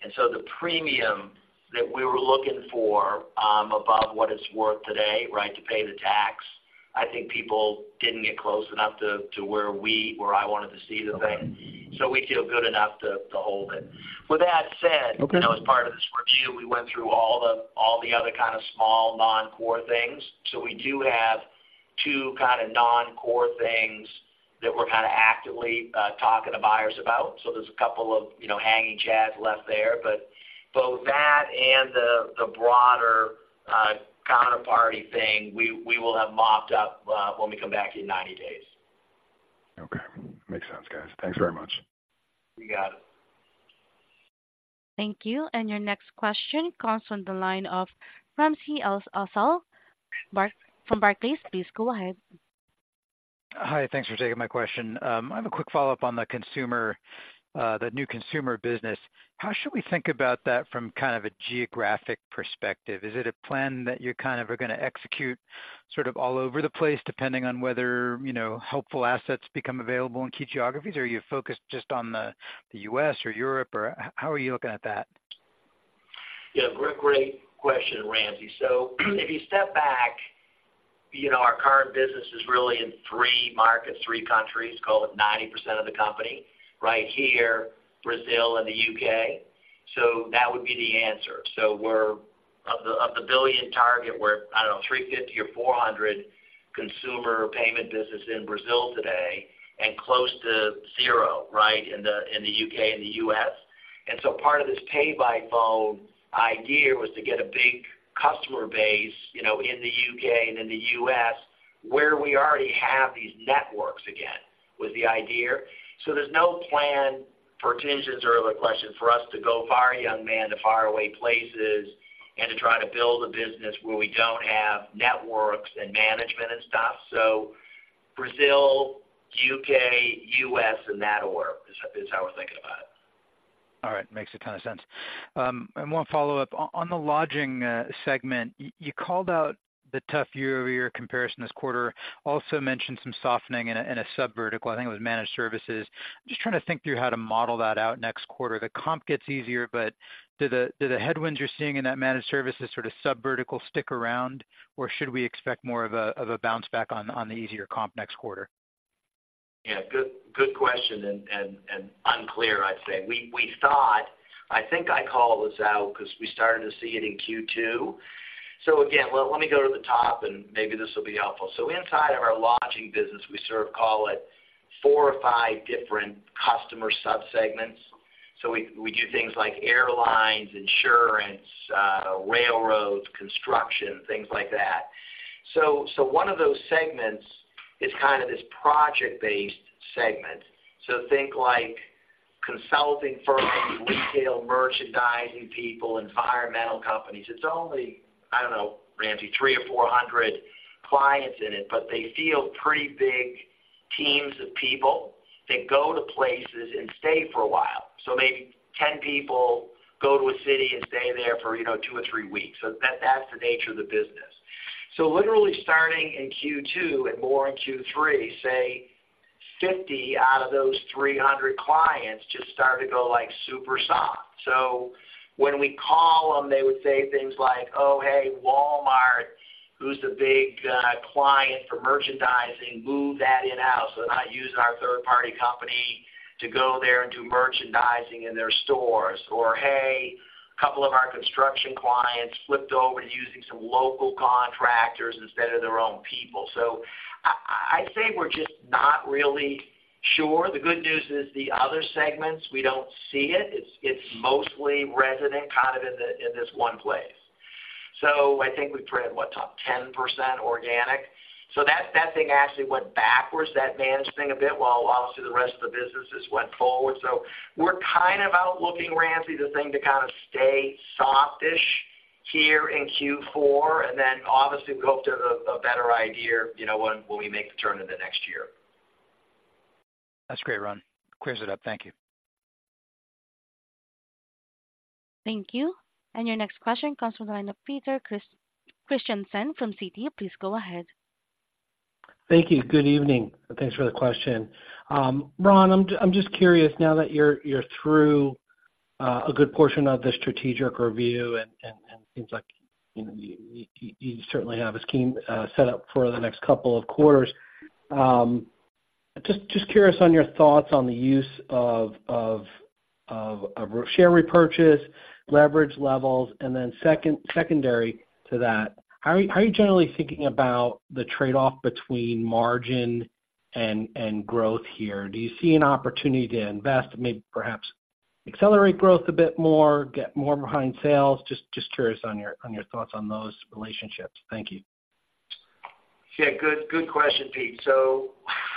And so the premium that we were looking for, above what it's worth today, right, to pay the tax, I think people didn't get close enough to where I wanted to see the thing. Okay. So we feel good enough to hold it. With that said. Okay. You know, as part of this review, we went through all the, all the other kind of small non-core things. So we do have two kind of non-core things that we're kind of actively talking to buyers about. So there's a couple of, you know, hanging chads left there, but both that and the, the broader counterparty thing, we, we will have mopped up when we come back in 90 days. Okay. Makes sense, guys. Thanks very much. You got it. Thank you. Your next question comes from the line of Ramsey El-Assal from Barclays. Please go ahead. Hi, thanks for taking my question. I have a quick follow-up on the consumer, the new consumer business. How should we think about that from kind of a geographic perspective? Is it a plan that you kind of are gonna execute sort of all over the place, depending on whether, you know, helpful assets become available in key geographies? Or are you focused just on the, the U.S. or Europe, or how are you looking at that? Yeah, great, great question, Ramsey. So if you step back, you know, our current business is really in three markets, three countries, call it 90% of the company, right here, Brazil and the U.K. So that would be the answer. So we're, of the, of the $1 billion target, we're, I don't know, $350 or $400 consumer payment business in Brazil today, and close to zero, right, in the, in the U.K. and the U.S. And so part of this PayByPhone idea was to get a big customer base, you know, in the U.K. and in the U.S., where we already have these networks again, was the idea. So there's no plan, for to answer your earlier question, for us to go far, young man, to faraway places and to try to build a business where we don't have networks and management and stuff. Brazil, U.K., U.S., and that order, is how we're thinking about it. All right. Makes a ton of sense. And one follow-up. On, on the lodging, segment, you, you called out the tough year-over-year comparison this quarter, also mentioned some softening in a, in a subvertical, I think it was managed services. I'm just trying to think through how to model that out next quarter. The comp gets easier, but do the, do the headwinds you're seeing in that managed services sort of subvertical stick around, or should we expect more of a, of a bounce back on, on the easier comp next quarter? Yeah, good, good question, and unclear, I'd say. We thought. I think I called this out because we started to see it in Q2. So again, let me go to the top, and maybe this will be helpful. So inside of our lodging business, we sort of call it four or five different customer subsegments. So we do things like airlines, insurance, railroads, construction, things like that. So one of those segments is kind of this project-based segment. So think like consulting firms, retail, merchandising people, environmental companies. It's only, I don't know, roughly, 300 or 400 clients in it, but they field pretty big teams of people that go to places and stay for a while. So maybe 10 people go to a city and stay there for, you know, two or three weeks. That's the nature of the business. So literally starting in Q2 and more in Q3, say 50 out of those 300 clients just started to go, like, super soft. So when we call them, they would say things like, "Oh, hey, Walmart," who's a big client for merchandising, "moved that in-house. They're not using our third-party company to go there and do merchandising in their stores." Or, hey, a couple of our construction clients flipped over to using some local contractors instead of their own people. So I'd say we're just not really sure. The good news is, the other segments, we don't see it. It's mostly resident, kind of in this one place. So I think we've traded, what, 10% organic. So that that thing actually went backwards, that managed thing a bit, while obviously the rest of the businesses went forward. So we're kind of out looking, Ramsey, the thing to kind of stay softish here in Q4, and then obviously, we hope to have a better idea, you know, when we make the turn into next year. That's great, Ron. Clears it up. Thank you. Thank you. And your next question comes from the line of Peter Christiansen from Citi. Please go ahead. Thank you. Good evening, and thanks for the question. Ron, I'm just curious, now that you're through a good portion of the strategic review, and seems like, you know, you certainly have a scheme set up for the next couple of quarters. Just curious on your thoughts on the use of share repurchase, leverage levels, and then secondary to that, how are you generally thinking about the trade-off between margin and growth here? Do you see an opportunity to invest, maybe perhaps accelerate growth a bit more, get more behind sales? Just curious on your thoughts on those relationships. Thank you. Yeah, good, good question, Pete. So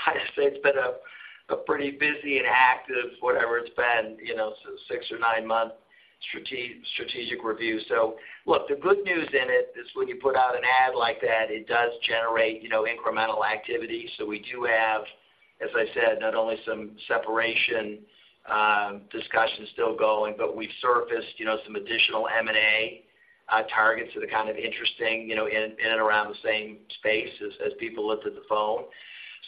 I'd say it's been a pretty busy and active, whatever it's been, you know, six or nine-month strategic review. So look, the good news in it is when you put out an ad like that, it does generate, you know, incremental activity. So we do have, as I said, not only some separation discussions still going, but we've surfaced, you know, some additional M&A targets that are kind of interesting, you know, in and around the same space as people look at the phone.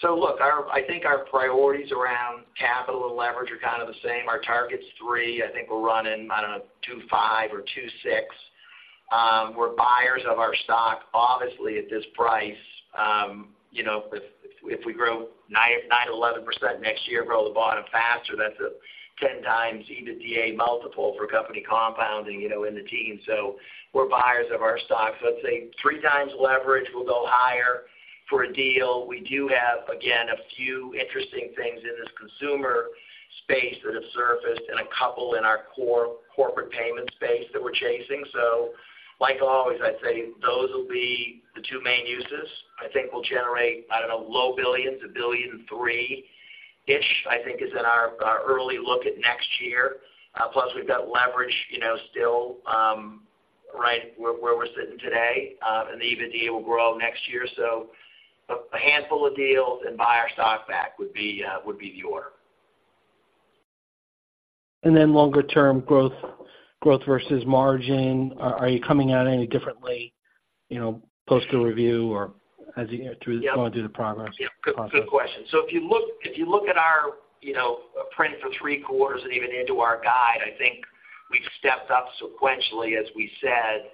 So look, our – I think our priorities around capital and leverage are kind of the same. Our target's three. I think we're running, I don't know, 2.5 or 2.6. We're buyers of our stock, obviously, at this price. You know, if we grow 9%-11% next year, grow the bottom faster, that's a 10x EBITDA multiple for company compounding, you know, in the teens. So we're buyers of our stock. So I'd say 3x leverage, we'll go higher for a deal. We do have, again, a few interesting things in this consumer space that have surfaced and a couple in our core corporate payment space that we're chasing. So like always, I'd say those will be the two main uses. I think we'll generate, I don't know, low billions, $1.3 billion-ish, I think is in our early look at next year. Plus we've got leverage, you know, still, right where we're sitting today, and the EBITDA will grow next year. So a handful of deals and buy our stock back would be the order. And then longer-term growth, growth versus margin, are you coming at it any differently? You know, post the review or as you go through the progress? Yeah, good, good question. So if you look, if you look at our, you know, print for three quarters and even into our guide, I think we've stepped up sequentially, as we said,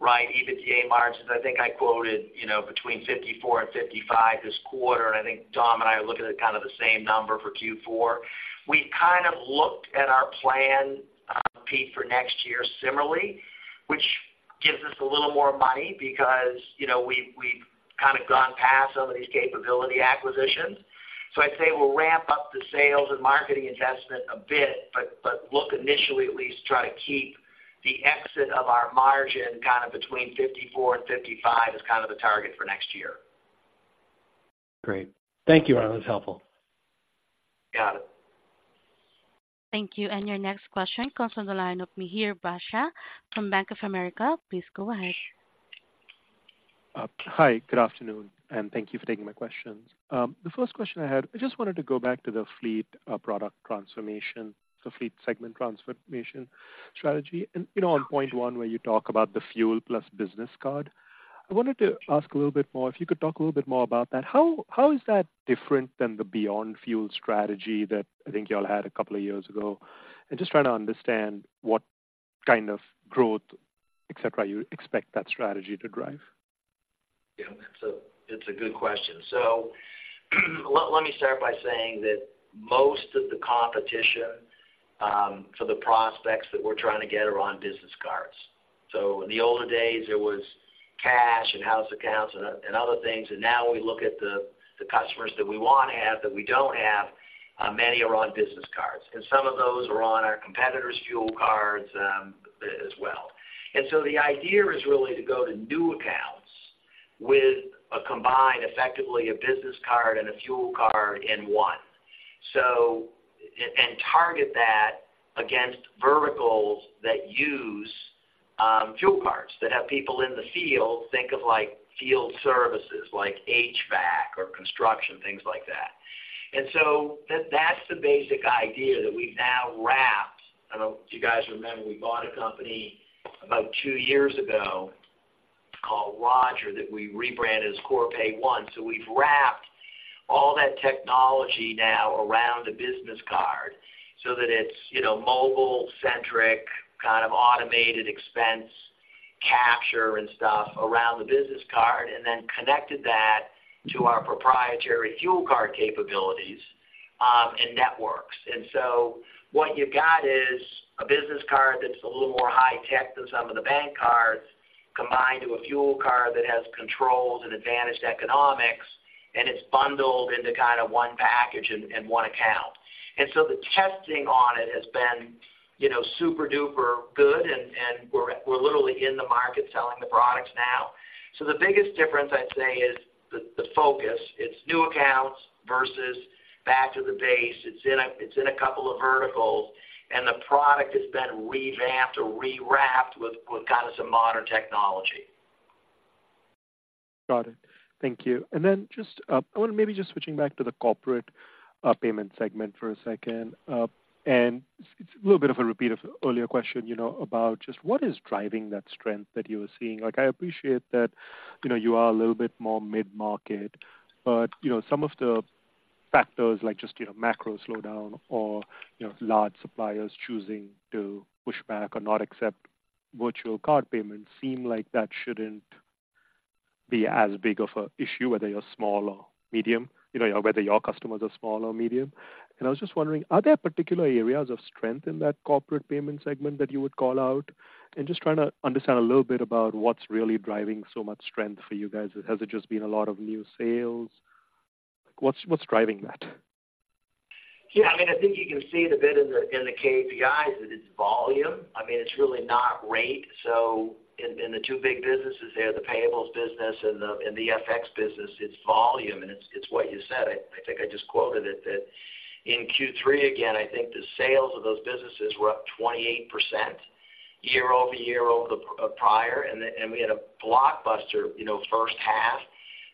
right? EBITDA margins, I think I quoted, you know, between 54% and 55% this quarter, and I think Tom and I are looking at kind of the same number for Q4. We kind of looked at our plan, Pete, for next year similarly, which gives us a little more money because, you know, we've, we've kind of gone past some of these capability acquisitions. So I'd say we'll ramp up the sales and marketing investment a bit, but, but look initially at least try to keep the exit of our margin kind of between 54% and 55% as kind of the target for next year. Great. Thank you, Ron. That's helpful. Got it. Thank you. Your next question comes from the line of Mihir Bhatia from Bank of America. Please go ahead. Hi, good afternoon, and thank you for taking my questions. The first question I had, I just wanted to go back to the fleet product transformation, the fleet segment transformation strategy. And, you know, on point one, where you talk about the fuel plus business card, I wanted to ask a little bit more. If you could talk a little bit more about that, how is that different than the beyond fuel strategy that I think you all had a couple of years ago? And just trying to understand what kind of growth, et cetera, you expect that strategy to drive. Yeah, that's a. It's a good question. So let me start by saying that most of the competition for the prospects that we're trying to get are on business cards. So in the older days, it was cash and house accounts and other things, and now we look at the customers that we want to have, that we don't have, many are on business cards, and some of those are on our competitors' fuel cards, as well. And so the idea is really to go to new accounts with a combined, effectively, a business card and a fuel card in one. So and target that against verticals that use fuel cards, that have people in the field, think of like field services, like HVAC or construction, things like that. And so that's the basic idea that we've now wrapped. I don't know if you guys remember, we bought a company about two years ago called Roger, that we rebranded as Corpay One. So we've wrapped all that technology now around a business card so that it's, you know, mobile centric, kind of automated expense capture and stuff around the business card, and then connected that to our proprietary fuel card capabilities, and networks. And so what you got is a business card that's a little more high tech than some of the bank cards, combined to a fuel card that has controls and advantaged economics, and it's bundled into kind of one package and one account. And so the testing on it has been, you know, super-duper good, and we're literally in the market selling the products now. So the biggest difference, I'd say, is the focus. It's new accounts versus back to the base. It's in a couple of verticals, and the product has been revamped or rewrapped with kind of some modern technology. Got it. Thank you. And then just, I want to maybe just switching back to the corporate payment segment for a second. And it's a little bit of a repeat of the earlier question, you know, about just what is driving that strength that you were seeing? Like, I appreciate that, you know, you are a little bit more mid-market, but, you know, some of the factors like just, you know, macro slowdown or, you know, large suppliers choosing to push back or not accept virtual card payments seem like that shouldn't be as big of a issue, whether you're small or medium, you know, whether your customers are small or medium. And I was just wondering, are there particular areas of strength in that corporate payment segment that you would call out? Just trying to understand a little bit about what's really driving so much strength for you guys. Has it just been a lot of new sales? What's, what's driving that? Yeah, I mean, I think you can see it a bit in the KPIs, that it's volume. I mean, it's really not rate. So in the two big businesses there, the payables business and the FX business, it's volume, and it's what you said. I think I just quoted it, that in Q3, again, I think the sales of those businesses were up 28%, year-over-year, over the prior, and then we had a blockbuster, you know, first half.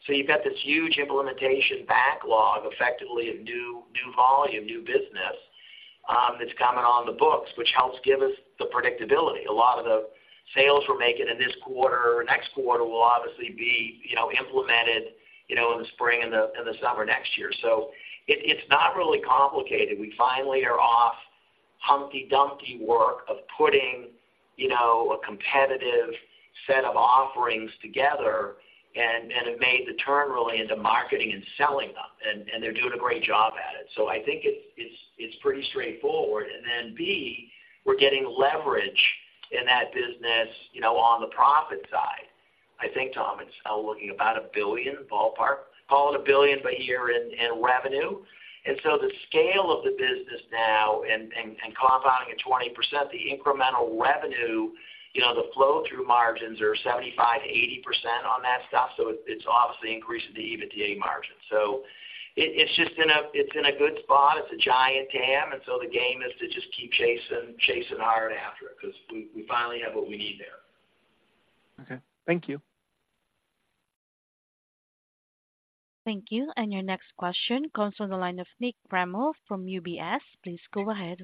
So you've got this huge implementation backlog, effectively, of new volume, new business that's coming on the books, which helps give us the predictability. A lot of the sales we're making in this quarter or next quarter will obviously be, you know, implemented, you know, in the spring and the summer next year. So it's not really complicated. We finally are off the Humpty Dumpty work of putting, you know, a competitive set of offerings together and have made the turn really into marketing and selling them, and they're doing a great job at it. So I think it's pretty straightforward. And then B, we're getting leverage in that business, you know, on the profit side. I think, Tom, it's looking about $1 billion, ballpark, call it $1 billion a year in revenue. And so the scale of the business now and compounding at 20%, the incremental revenue, you know, the flow-through margins are 75%-80% on that stuff, so it's obviously increasing the EBITDA margins. So it's just in a—it's in a good spot. It's a giant dam, and so the game is to just keep chasing, chasing hard after it, because we, we finally have what we need there. Okay. Thank you. Thank you. And your next question comes from the line of Nik Cremo from UBS. Please go ahead.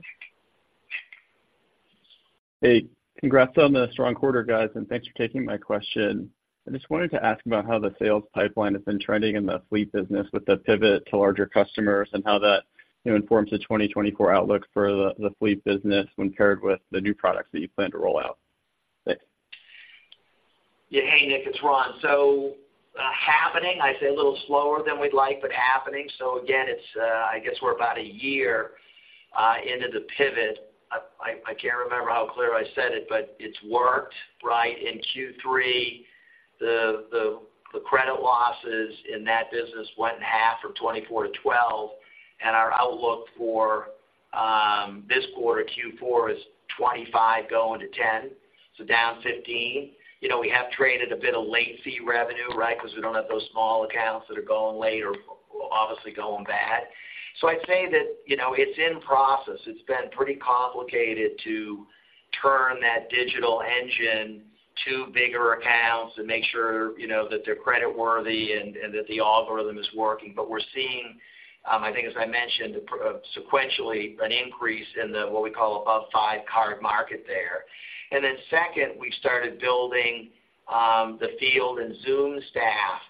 Hey, congrats on the strong quarter, guys, and thanks for taking my question. I just wanted to ask about how the sales pipeline has been trending in the fleet business with the pivot to larger customers and how that, you know, informs the 2024 outlook for the fleet business when paired with the new products that you plan to roll out. Thanks. Yeah. Hey, Nik, it's Ron. So, happening, I'd say a little slower than we'd like, but happening. So again, it's, I guess we're about a year into the pivot. I can't remember how clear I said it, but it's worked, right? In Q3, the credit losses in that business went in half from 24 to 12, and our outlook for this quarter, Q4, is 25 going to 10, so down 15. You know, we have traded a bit of late fee revenue, right? Because we don't have those small accounts that are going late or obviously going bad. So I'd say that, you know, it's in process. It's been pretty complicated to turn that digital engine to bigger accounts and make sure, you know, that they're creditworthy and that the algorithm is working. But we're seeing, I think as I mentioned, sequentially, an increase in the, what we call above 5 card market there. And then second, we started building, the field and Zoom staff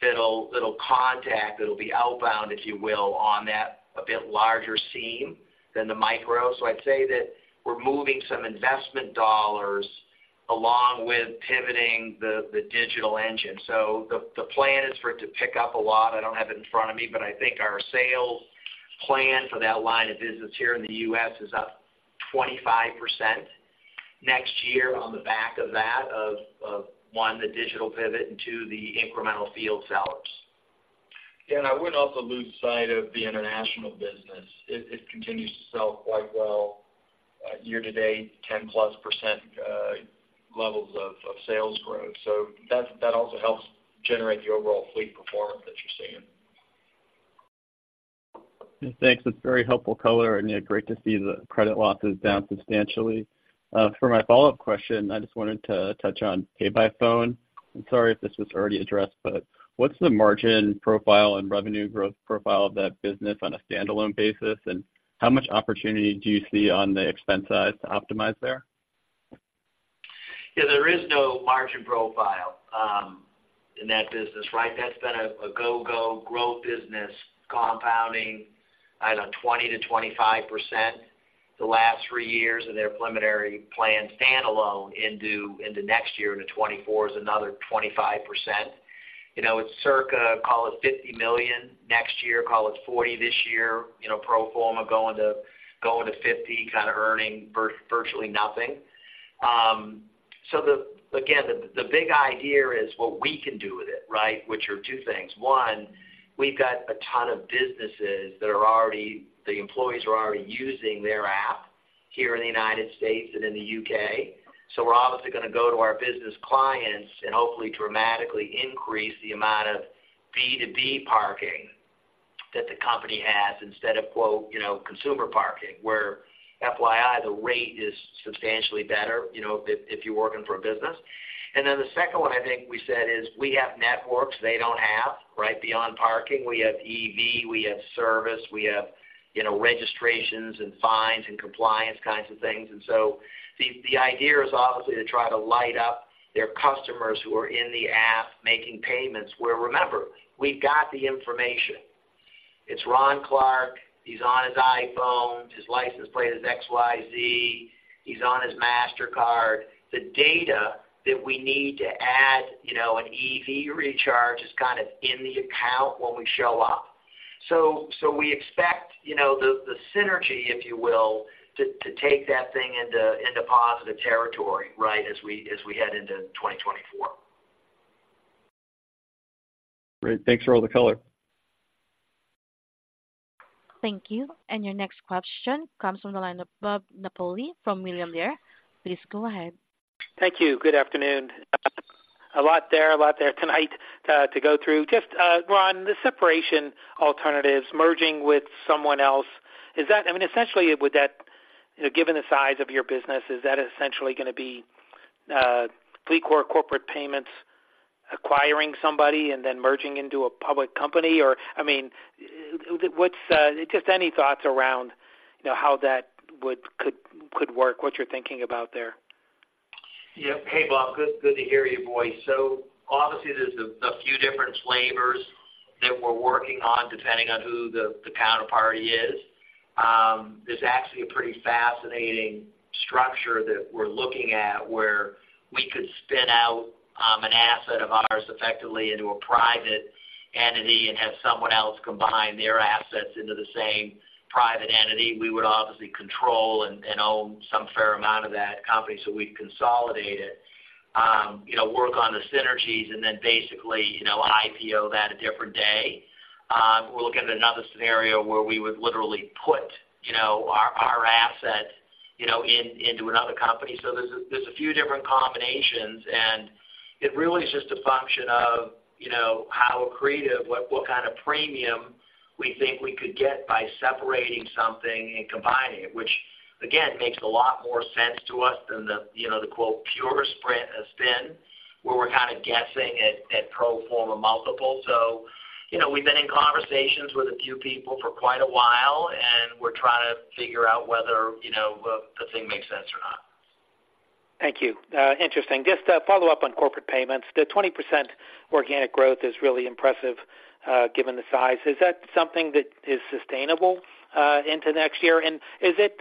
that'll contact, that'll be outbound, if you will, on that a bit larger seam than the micro. So I'd say that we're moving some investment dollars along with pivoting the digital engine. So the plan is for it to pick up a lot. I don't have it in front of me, but I think our sales plan for that line of business here in the U.S. is up 25% next year on the back of that, one, the digital pivot, and two, the incremental field sellers. Yeah, and I wouldn't also lose sight of the international business. It continues to sell quite well, year-to-date, 10%+ levels of sales growth. So that also helps generate the overall fleet performance that you're seeing. Thanks. It's very helpful color, and, yeah, great to see the credit losses down substantially. For my follow-up question, I just wanted to touch on PayByPhone. I'm sorry if this was already addressed, but what's the margin profile and revenue growth profile of that business on a standalone basis? And how much opportunity do you see on the expense side to optimize there? Yeah, there is no margin profile in that business, right? That's been a go-go growth business, compounding, I don't know, 20%-25% the last three years, and their preliminary plans standalone into next year, into 2024, is another 25%. You know, it's circa, call it $50 million next year, call it $40 million this year, you know, pro forma, going to $50 million, kind of earning virtually nothing. So the big idea is what we can do with it, right? Which are two things. One, we've got a ton of businesses that are already—the employees are already using their app here in the United States and in the U.K. So we're obviously gonna go to our business clients and hopefully dramatically increase the amount of B2B parking that the company has instead of, quote, you know, "consumer parking," where FYI, the rate is substantially better, you know, if you're working for a business. And then the second one, I think we said, is we have networks they don't have, right? Beyond parking, we have EV, we have service, we have, you know, registrations and fines and compliance kinds of things. And so the idea is obviously to try to light up their customers who are in the app making payments, where remember, we've got the information. It's Ron Clarke, he's on his iPhone, his license plate is XYZ, he's on his Mastercard. The data that we need to add, you know, an EV recharge is kind of in the account when we show up. So we expect, you know, the synergy, if you will, to take that thing into positive territory, right, as we head into 2024. Great. Thanks for all the color. Thank you. Your next question comes from the line of Bob Napoli from William Blair. Please go ahead. Thank you. Good afternoon. A lot there, a lot there tonight, to go through. Just, Ron, the separation alternatives, merging with someone else, is that—I mean, essentially, would that, you know, given the size of your business, is that essentially gonna be, fleet or corporate payments, acquiring somebody and then merging into a public company? Or, I mean, what's, just any thoughts around, you know, how that would—could, could work, what you're thinking about there? Yeah. Hey, Bob, good, good to hear your voice. So obviously, there's a few different flavors that we're working on, depending on who the counterparty is. There's actually a pretty fascinating structure that we're looking at, where we could spin out an asset of ours effectively into a private entity and have someone else combine their assets into the same private entity. We would obviously control and own some fair amount of that company. So we'd consolidate it, you know, work on the synergies and then basically, you know, IPO that a different day. We're looking at another scenario where we would literally put, you know, our asset, you know, into another company. So there's a few different combinations, and it really is just a function of, you know, how creative what kind of premium we think we could get by separating something and combining it, which again makes a lot more sense to us than the, you know, the quote pure spin, where we're kind of guessing at pro forma multiples. So, you know, we've been in conversations with a few people for quite a while, and we're trying to figure out whether, you know, the thing makes sense or not. Thank you. Interesting. Just a follow-up on corporate payments. The 20% organic growth is really impressive, given the size. Is that something that is sustainable into next year? And is it,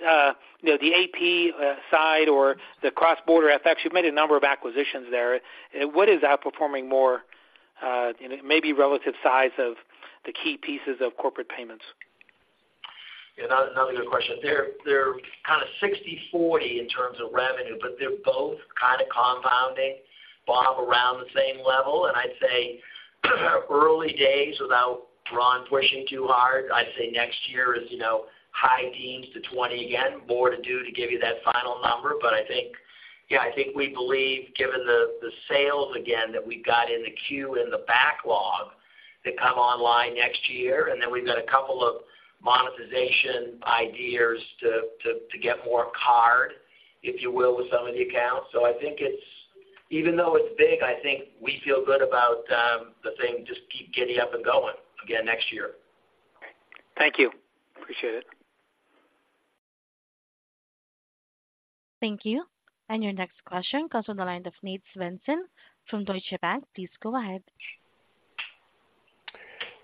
you know, the AP side or the cross-border effects? You've made a number of acquisitions there. What is outperforming more, you know, maybe relative size of the key pieces of corporate payments? Yeah, another good question. They're, they're kind of 60/40 in terms of revenue, but they're both kind of compounding, Bob, around the same level. And I'd say, early days, without Ron pushing too hard, I'd say next year is, you know, high teens to 20 again. More to do to give you that final number, but I think, yeah, I think we believe, given the, the sales again, that we've got in the queue in the backlog to come online next year, and then we've got a couple of monetization ideas to, to, to get more card, if you will, with some of the accounts. So I think it's. Even though it's big, I think we feel good about the thing just keep getting up and going again next year. Okay. Thank you. Appreciate it. Thank you. And your next question comes from the line of Nate Svensson from Deutsche Bank. Please go ahead.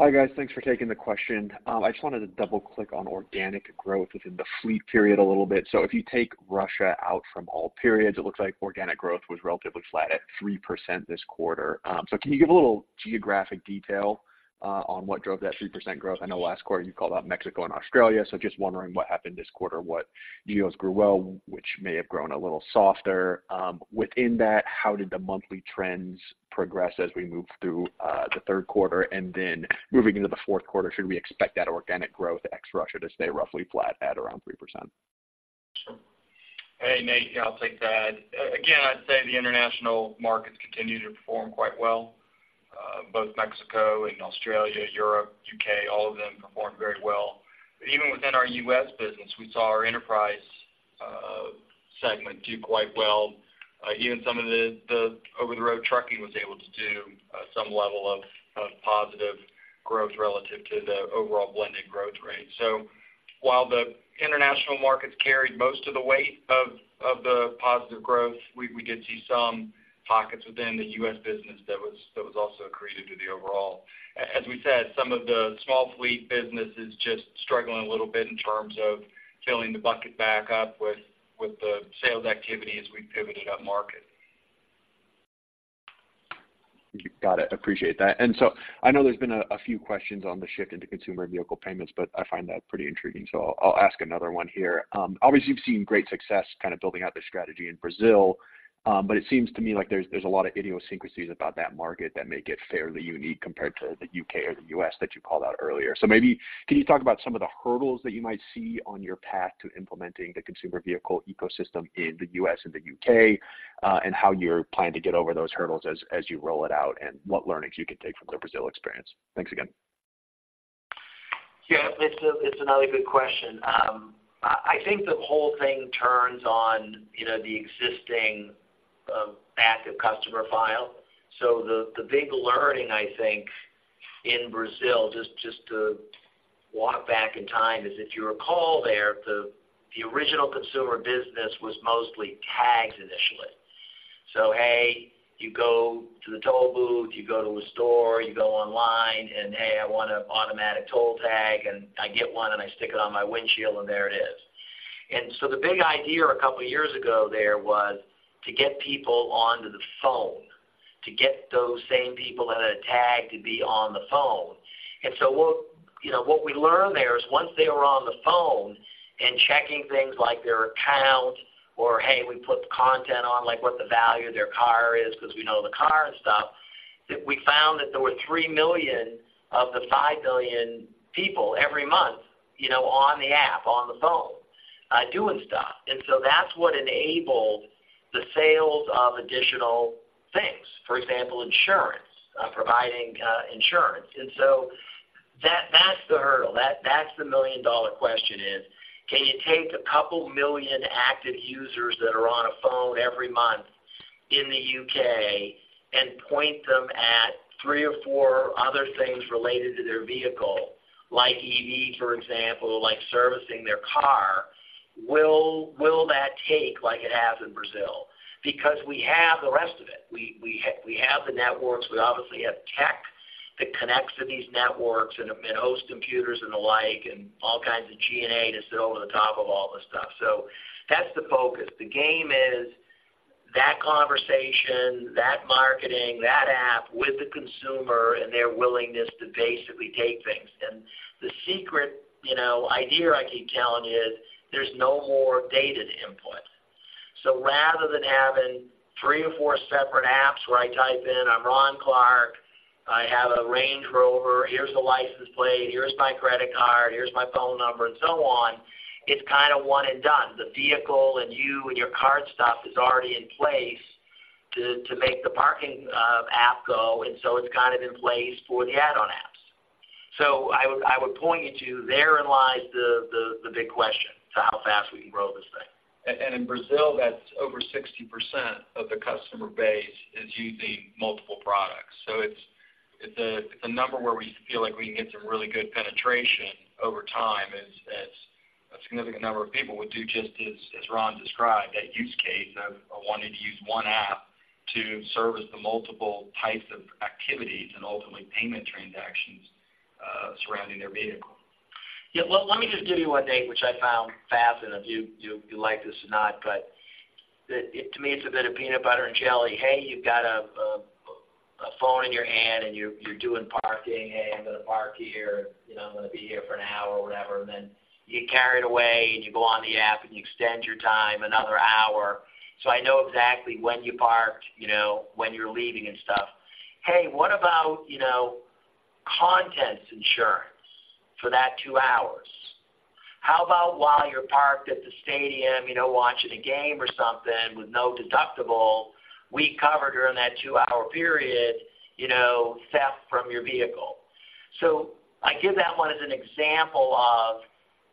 Hi, guys. Thanks for taking the question. I just wanted to double-click on organic growth within the fleet period a little bit. So if you take Russia out from all periods, it looks like organic growth was relatively flat at 3% this quarter. So can you give a little geographic detail, on what drove that 3% growth? I know last quarter you called out Mexico and Australia, so just wondering what happened this quarter, what deals grew well, which may have grown a little softer. Within that, how did the monthly trends progress as we moved through, the third quarter? And then moving into the fourth quarter, should we expect that organic growth ex Russia to stay roughly flat at around 3%? Sure. Hey, Nate, yeah, I'll take that. Again, I'd say the international markets continue to perform quite well. Both Mexico and Australia, Europe, U.K., all of them performed very well. But even within our U.S. business, we saw our enterprise segment do quite well. Even some of the over-the-road trucking was able to do some level of positive growth relative to the overall blended growth rate. So while the international markets carried most of the weight of the positive growth, we did see some pockets within the U.S. business that was also accretive to the overall. As we said, some of the small fleet business is just struggling a little bit in terms of filling the bucket back up with the sales activity as we pivoted upmarket. Got it. Appreciate that. And so I know there's been a few questions on the shift into consumer vehicle payments, but I find that pretty intriguing, so I'll ask another one here. Obviously, you've seen great success kind of building out the strategy in Brazil, but it seems to me like there's a lot of idiosyncrasies about that market that make it fairly unique compared to the U.K. or the U.S. that you called out earlier. So maybe, can you talk about some of the hurdles that you might see on your path to implementing the consumer vehicle ecosystem in the U.S. and the U.K., and how you're planning to get over those hurdles as you roll it out, and what learnings you can take from the Brazil experience? Thanks again. Yeah, it's another good question. I think the whole thing turns on, you know, the existing active customer file. So the big learning, I think, in Brazil, just to walk back in time, is, if you recall there, the original consumer business was mostly tags initially. So, hey, you go to the toll booth, you go to the store, you go online, and, "Hey, I want an automatic toll tag," and I get one, and I stick it on my windshield, and there it is. And so the big idea a couple of years ago there was to get people onto the phone, to get those same people that had a tag to be on the phone. And so what, you know, what we learned there is, once they were on the phone and checking things like their account, or, hey, we put the content on, like, what the value of their car is, because we know the car and stuff, that we found that there were 3 million of the 5 million people every month, you know, on the app, on the phone, doing stuff. And so that's what enabled the sales of additional things. For example, insurance, providing insurance. And so that-that's the hurdle. That, that's the million-dollar question is: Can you take a couple million active users that are on a phone every month in the U.K. and point them at three or four other things related to their vehicle, like EV, for example, like servicing their car, will that take like it has in Brazil? Because we have the rest of it. We have the networks, we obviously have tech that connects to these networks and host computers and the like, and all kinds of G&A to sit over the top of all this stuff. So that's the focus. The game is that conversation, that marketing, that app with the consumer and their willingness to basically take things. And the secret, you know, idea I keep telling you is there's no more data to input. So rather than having three or four separate apps where I type in, I'm Ron Clarke, I have a Range Rover, here's the license plate, here's my credit card, here's my phone number, and so on, it's kind of one and done. The vehicle and you and your card stuff is already in place to make the parking app go, and so it's kind of in place for the add-on apps. So I would point you to, therein lies the big question to how fast we can grow this thing. In Brazil, that's over 60% of the customer base is using multiple products. So it's a number where we feel like we can get some really good penetration over time as a significant number of people would do, just as Ron described, that use case of wanting to use one app to service the multiple types of activities and ultimately payment transactions surrounding their vehicle. Yeah, let me just give you one date, which I found fascinating, if you like this or not, but to me, it's a bit of peanut butter and jelly. Hey, you've got a phone in your hand, and you're doing parking. Hey, I'm going to park here, you know, I'm going to be here for an hour or whatever. And then you get carried away, and you go on the app, and you extend your time another hour. So I know exactly when you parked, you know, when you're leaving and stuff. Hey, what about, you know, contents insurance for that two hours? How about while you're parked at the stadium, you know, watching a game or something with no deductible, we covered during that two-hour period, you know, theft from your vehicle. So I give that one as an example of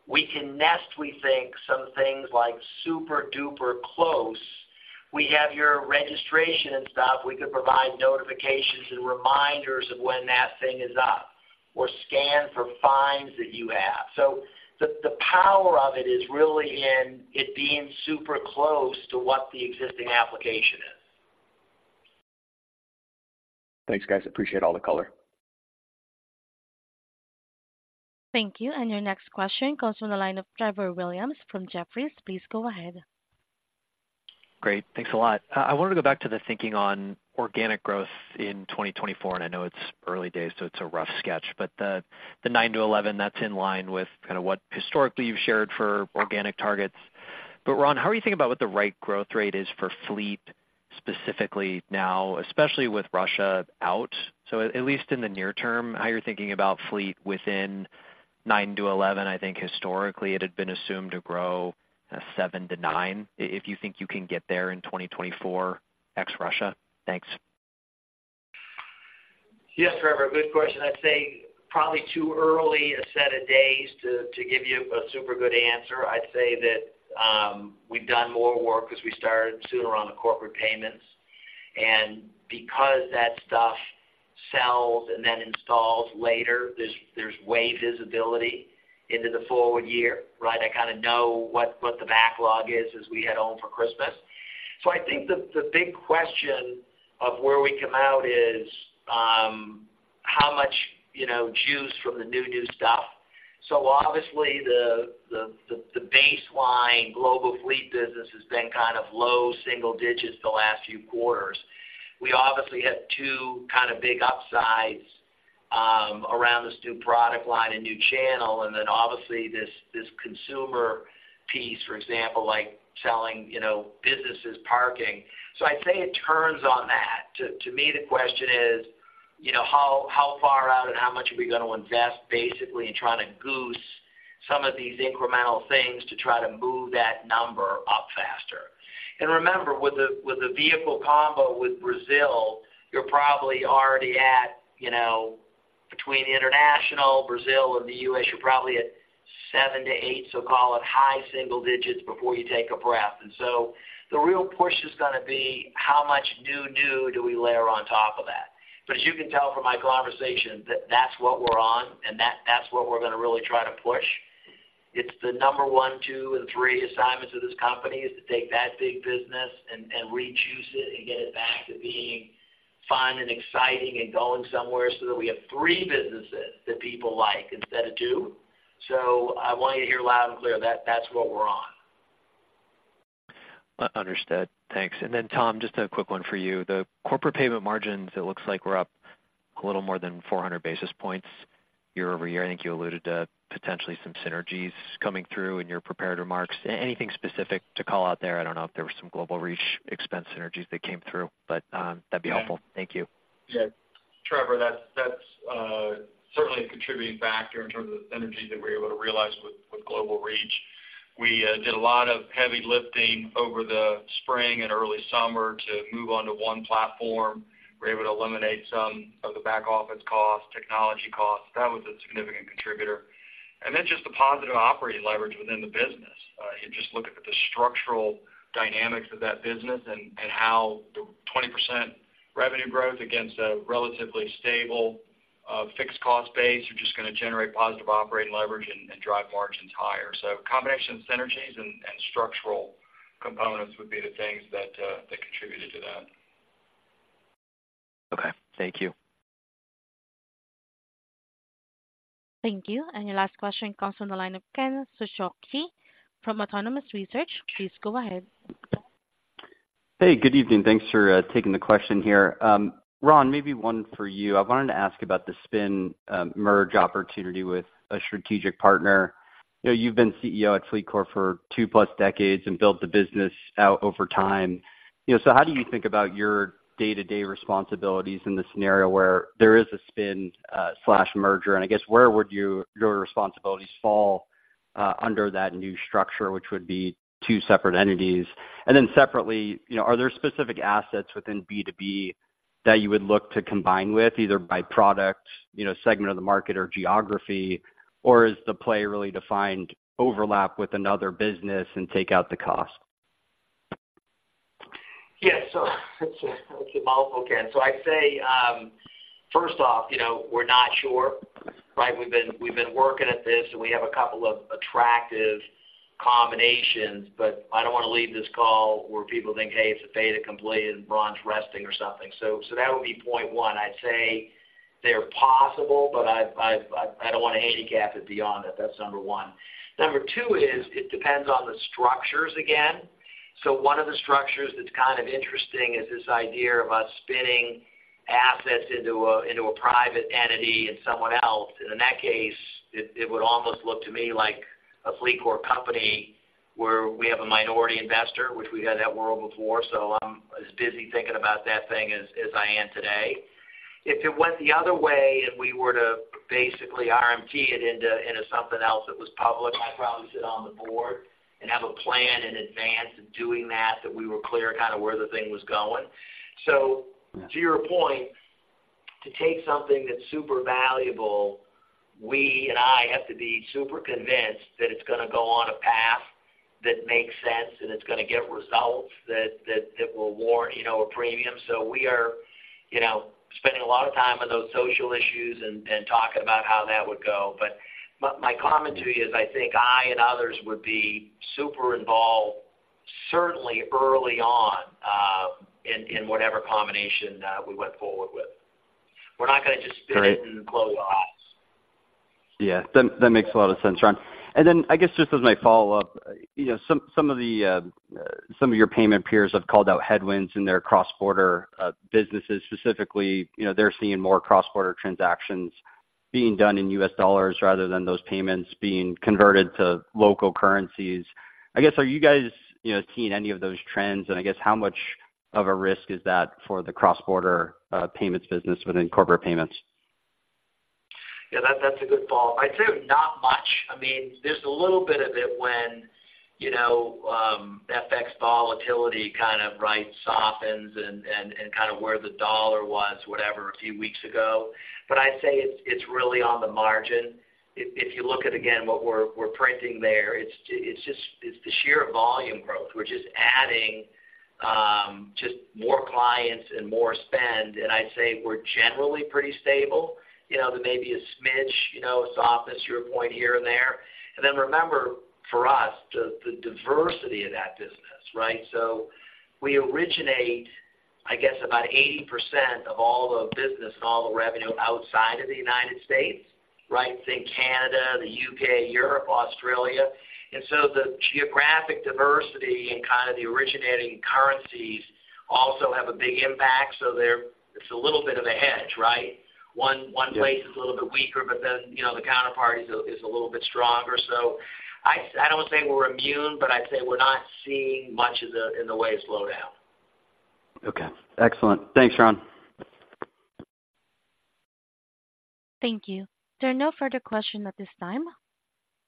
we can nest, we think, some things like super-duper close. We have your registration and stuff. We could provide notifications and reminders of when that thing is up or scan for fines that you have. So the power of it is really in it being super close to what the existing application is. Thanks, guys. Appreciate all the color. Thank you. Your next question comes from the line of Trevor Williams from Jefferies. Please go ahead. Great. Thanks a lot. I wanted to go back to the thinking on organic growth in 2024, and I know it's early days, so it's a rough sketch. But the 9%-11%, that's in line with kind of what historically you've shared for organic targets. But Ron, how are you thinking about what the right growth rate is for fleet specifically now, especially with Russia out? So at least in the near term, how you're thinking about fleet within 9%-11%, I think historically it had been assumed to grow 7%-9%, if you think you can get there in 2024, ex Russia? Thanks. Yes, Trevor, good question. I'd say probably too early a set of days to give you a super good answer. I'd say that we've done more work as we started sooner on the corporate payments. And because that stuff sells and then installs later, there's way visibility into the forward year, right? I kind of know what the backlog is as we head home for Christmas. So I think the big question of where we come out is how much, you know, juice from the new stuff. So obviously, the baseline global fleet business has been kind of low single digits the last few quarters. We obviously had two kind of big upsides around this new product line and new channel, and then obviously this consumer piece, for example, like selling, you know, businesses parking. So I'd say it turns on that. To me, the question is, you know, how far out and how much are we going to invest basically in trying to goose some of these incremental things to try to move that number up faster? And remember, with the vehicle combo with Brazil, you're probably already at, you know, between international, Brazil and the U.S., you're probably at seven to eight, so call it high single digits before you take a breath. And so the real push is going to be how much new do we layer on top of that? But as you can tell from my conversation, that's what we're on, and that's what we're going to really try to push. It's the number one, two, and three assignments of this company is to take that big business and reduce it and get it back to being fun and exciting and going somewhere so that we have three businesses that people like instead of two. So I want you to hear loud and clear that that's what we're on. Understood. Thanks. And then, Tom, just a quick one for you. The corporate payment margins, it looks like we're up a little more than 400 basis points year-over-year. I think you alluded to potentially some synergies coming through in your prepared remarks. Anything specific to call out there? I don't know if there were some Global Reach expense synergies that came through, but that'd be helpful. Thank you. Yeah. Trevor, that's that certainly a contributing factor in terms of the synergies that we were able to realize with Global Reach. We did a lot of heavy lifting over the spring and early summer to move onto one platform. We were able to eliminate some of the back-office costs, technology costs. That was a significant contributor. And then just the positive operating leverage within the business. You just look at the structural dynamics of that business and how the 20% revenue growth against a relatively stable fixed cost base, you're just going to generate positive operating leverage and drive margins higher. So a combination of synergies and structural components would be the things that that contributed to that. Okay. Thank you. Thank you. And your last question comes from the line of Ken Suchoski from Autonomous Research. Please go ahead. Hey, good evening. Thanks for taking the question here. Ron, maybe one for you. I wanted to ask about the spin, merge opportunity with a strategic partner. You know, you've been CEO at FLEETCOR for two-plus decades and built the business out over time. You know, so how do you think about your day-to-day responsibilities in the scenario where there is a spin, slash merger? And I guess, where would your responsibilities fall under that new structure, which would be two separate entities? And then separately, you know, are there specific assets within B2B that you would look to combine with, either by product, you know, segment of the market or geography? Or is the play really to find overlap with another business and take out the cost? Yes. So it's a multiple, Ken. So I'd say, first off, you know, we're not sure, right? We've been working at this, and we have a couple of attractive combinations, but I don't wanna leave this call where people think, "Hey, it's a fait accompli, and Ron's resting or something." So that would be point one. I'd say they're possible, but I've I don't wanna handicap it beyond it. That's number one. Number two is, it depends on the structures again. So one of the structures that's kind of interesting is this idea of us spinning assets into a private entity and someone else, and in that case, it would almost look to me like a FLEETCOR company where we have a minority investor, which we had at World before. So I'm as busy thinking about that thing as, as I am today. If it went the other way, and we were to basically RMT it into, into something else that was public, I'd probably sit on the board and have a plan in advance of doing that, that we were clear kind of where the thing was going. So- Yeah. To your point, to take something that's super valuable, we and I have to be super convinced that it's gonna go on a path that makes sense, and it's gonna get results that will warrant, you know, a premium. So we are, you know, spending a lot of time on those social issues and talking about how that would go. But my comment to you is, I think I and others would be super involved, certainly early on, in whatever combination we went forward with. We're not gonna just spin- Great. and close our eyes. Yeah, that makes a lot of sense, Ron. And then I guess, just as my follow-up, you know, some of your payment peers have called out headwinds in their cross-border businesses. Specifically, you know, they're seeing more cross-border transactions being done in U.S. dollars rather than those payments being converted to local currencies. I guess, are you guys, you know, seeing any of those trends? And I guess, how much of a risk is that for the cross-border payments business within corporate payments? Yeah, that, that's a good follow-up. I'd say not much. I mean, there's a little bit of it when, you know, FX volatility kind of right softens and kind of where the dollar was, whatever, a few weeks ago. But I'd say it's really on the margin. If you look at, again, what we're printing there, it's just the sheer volume growth. We're just adding just more clients and more spend, and I'd say we're generally pretty stable. You know, there may be a smidge, you know, softness to your point here and there. And then remember, for us, the diversity of that business, right? So we originate, I guess, about 80% of all the business and all the revenue outside of the United States, right? Think Canada, the U.K., Europe, Australia. And so the geographic diversity and kind of the originating currencies also have a big impact, so they're. It's a little bit of a hedge, right? Yeah. One place is a little bit weaker, but then, you know, the counterparties is a little bit stronger. So I don't want to say we're immune, but I'd say we're not seeing much of the, in the way of slowdown. Okay, excellent. Thanks, Ron. Thank you. There are no further questions at this time.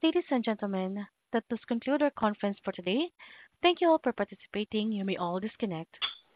Ladies and gentlemen, that does conclude our conference for today. Thank you all for participating. You may all disconnect.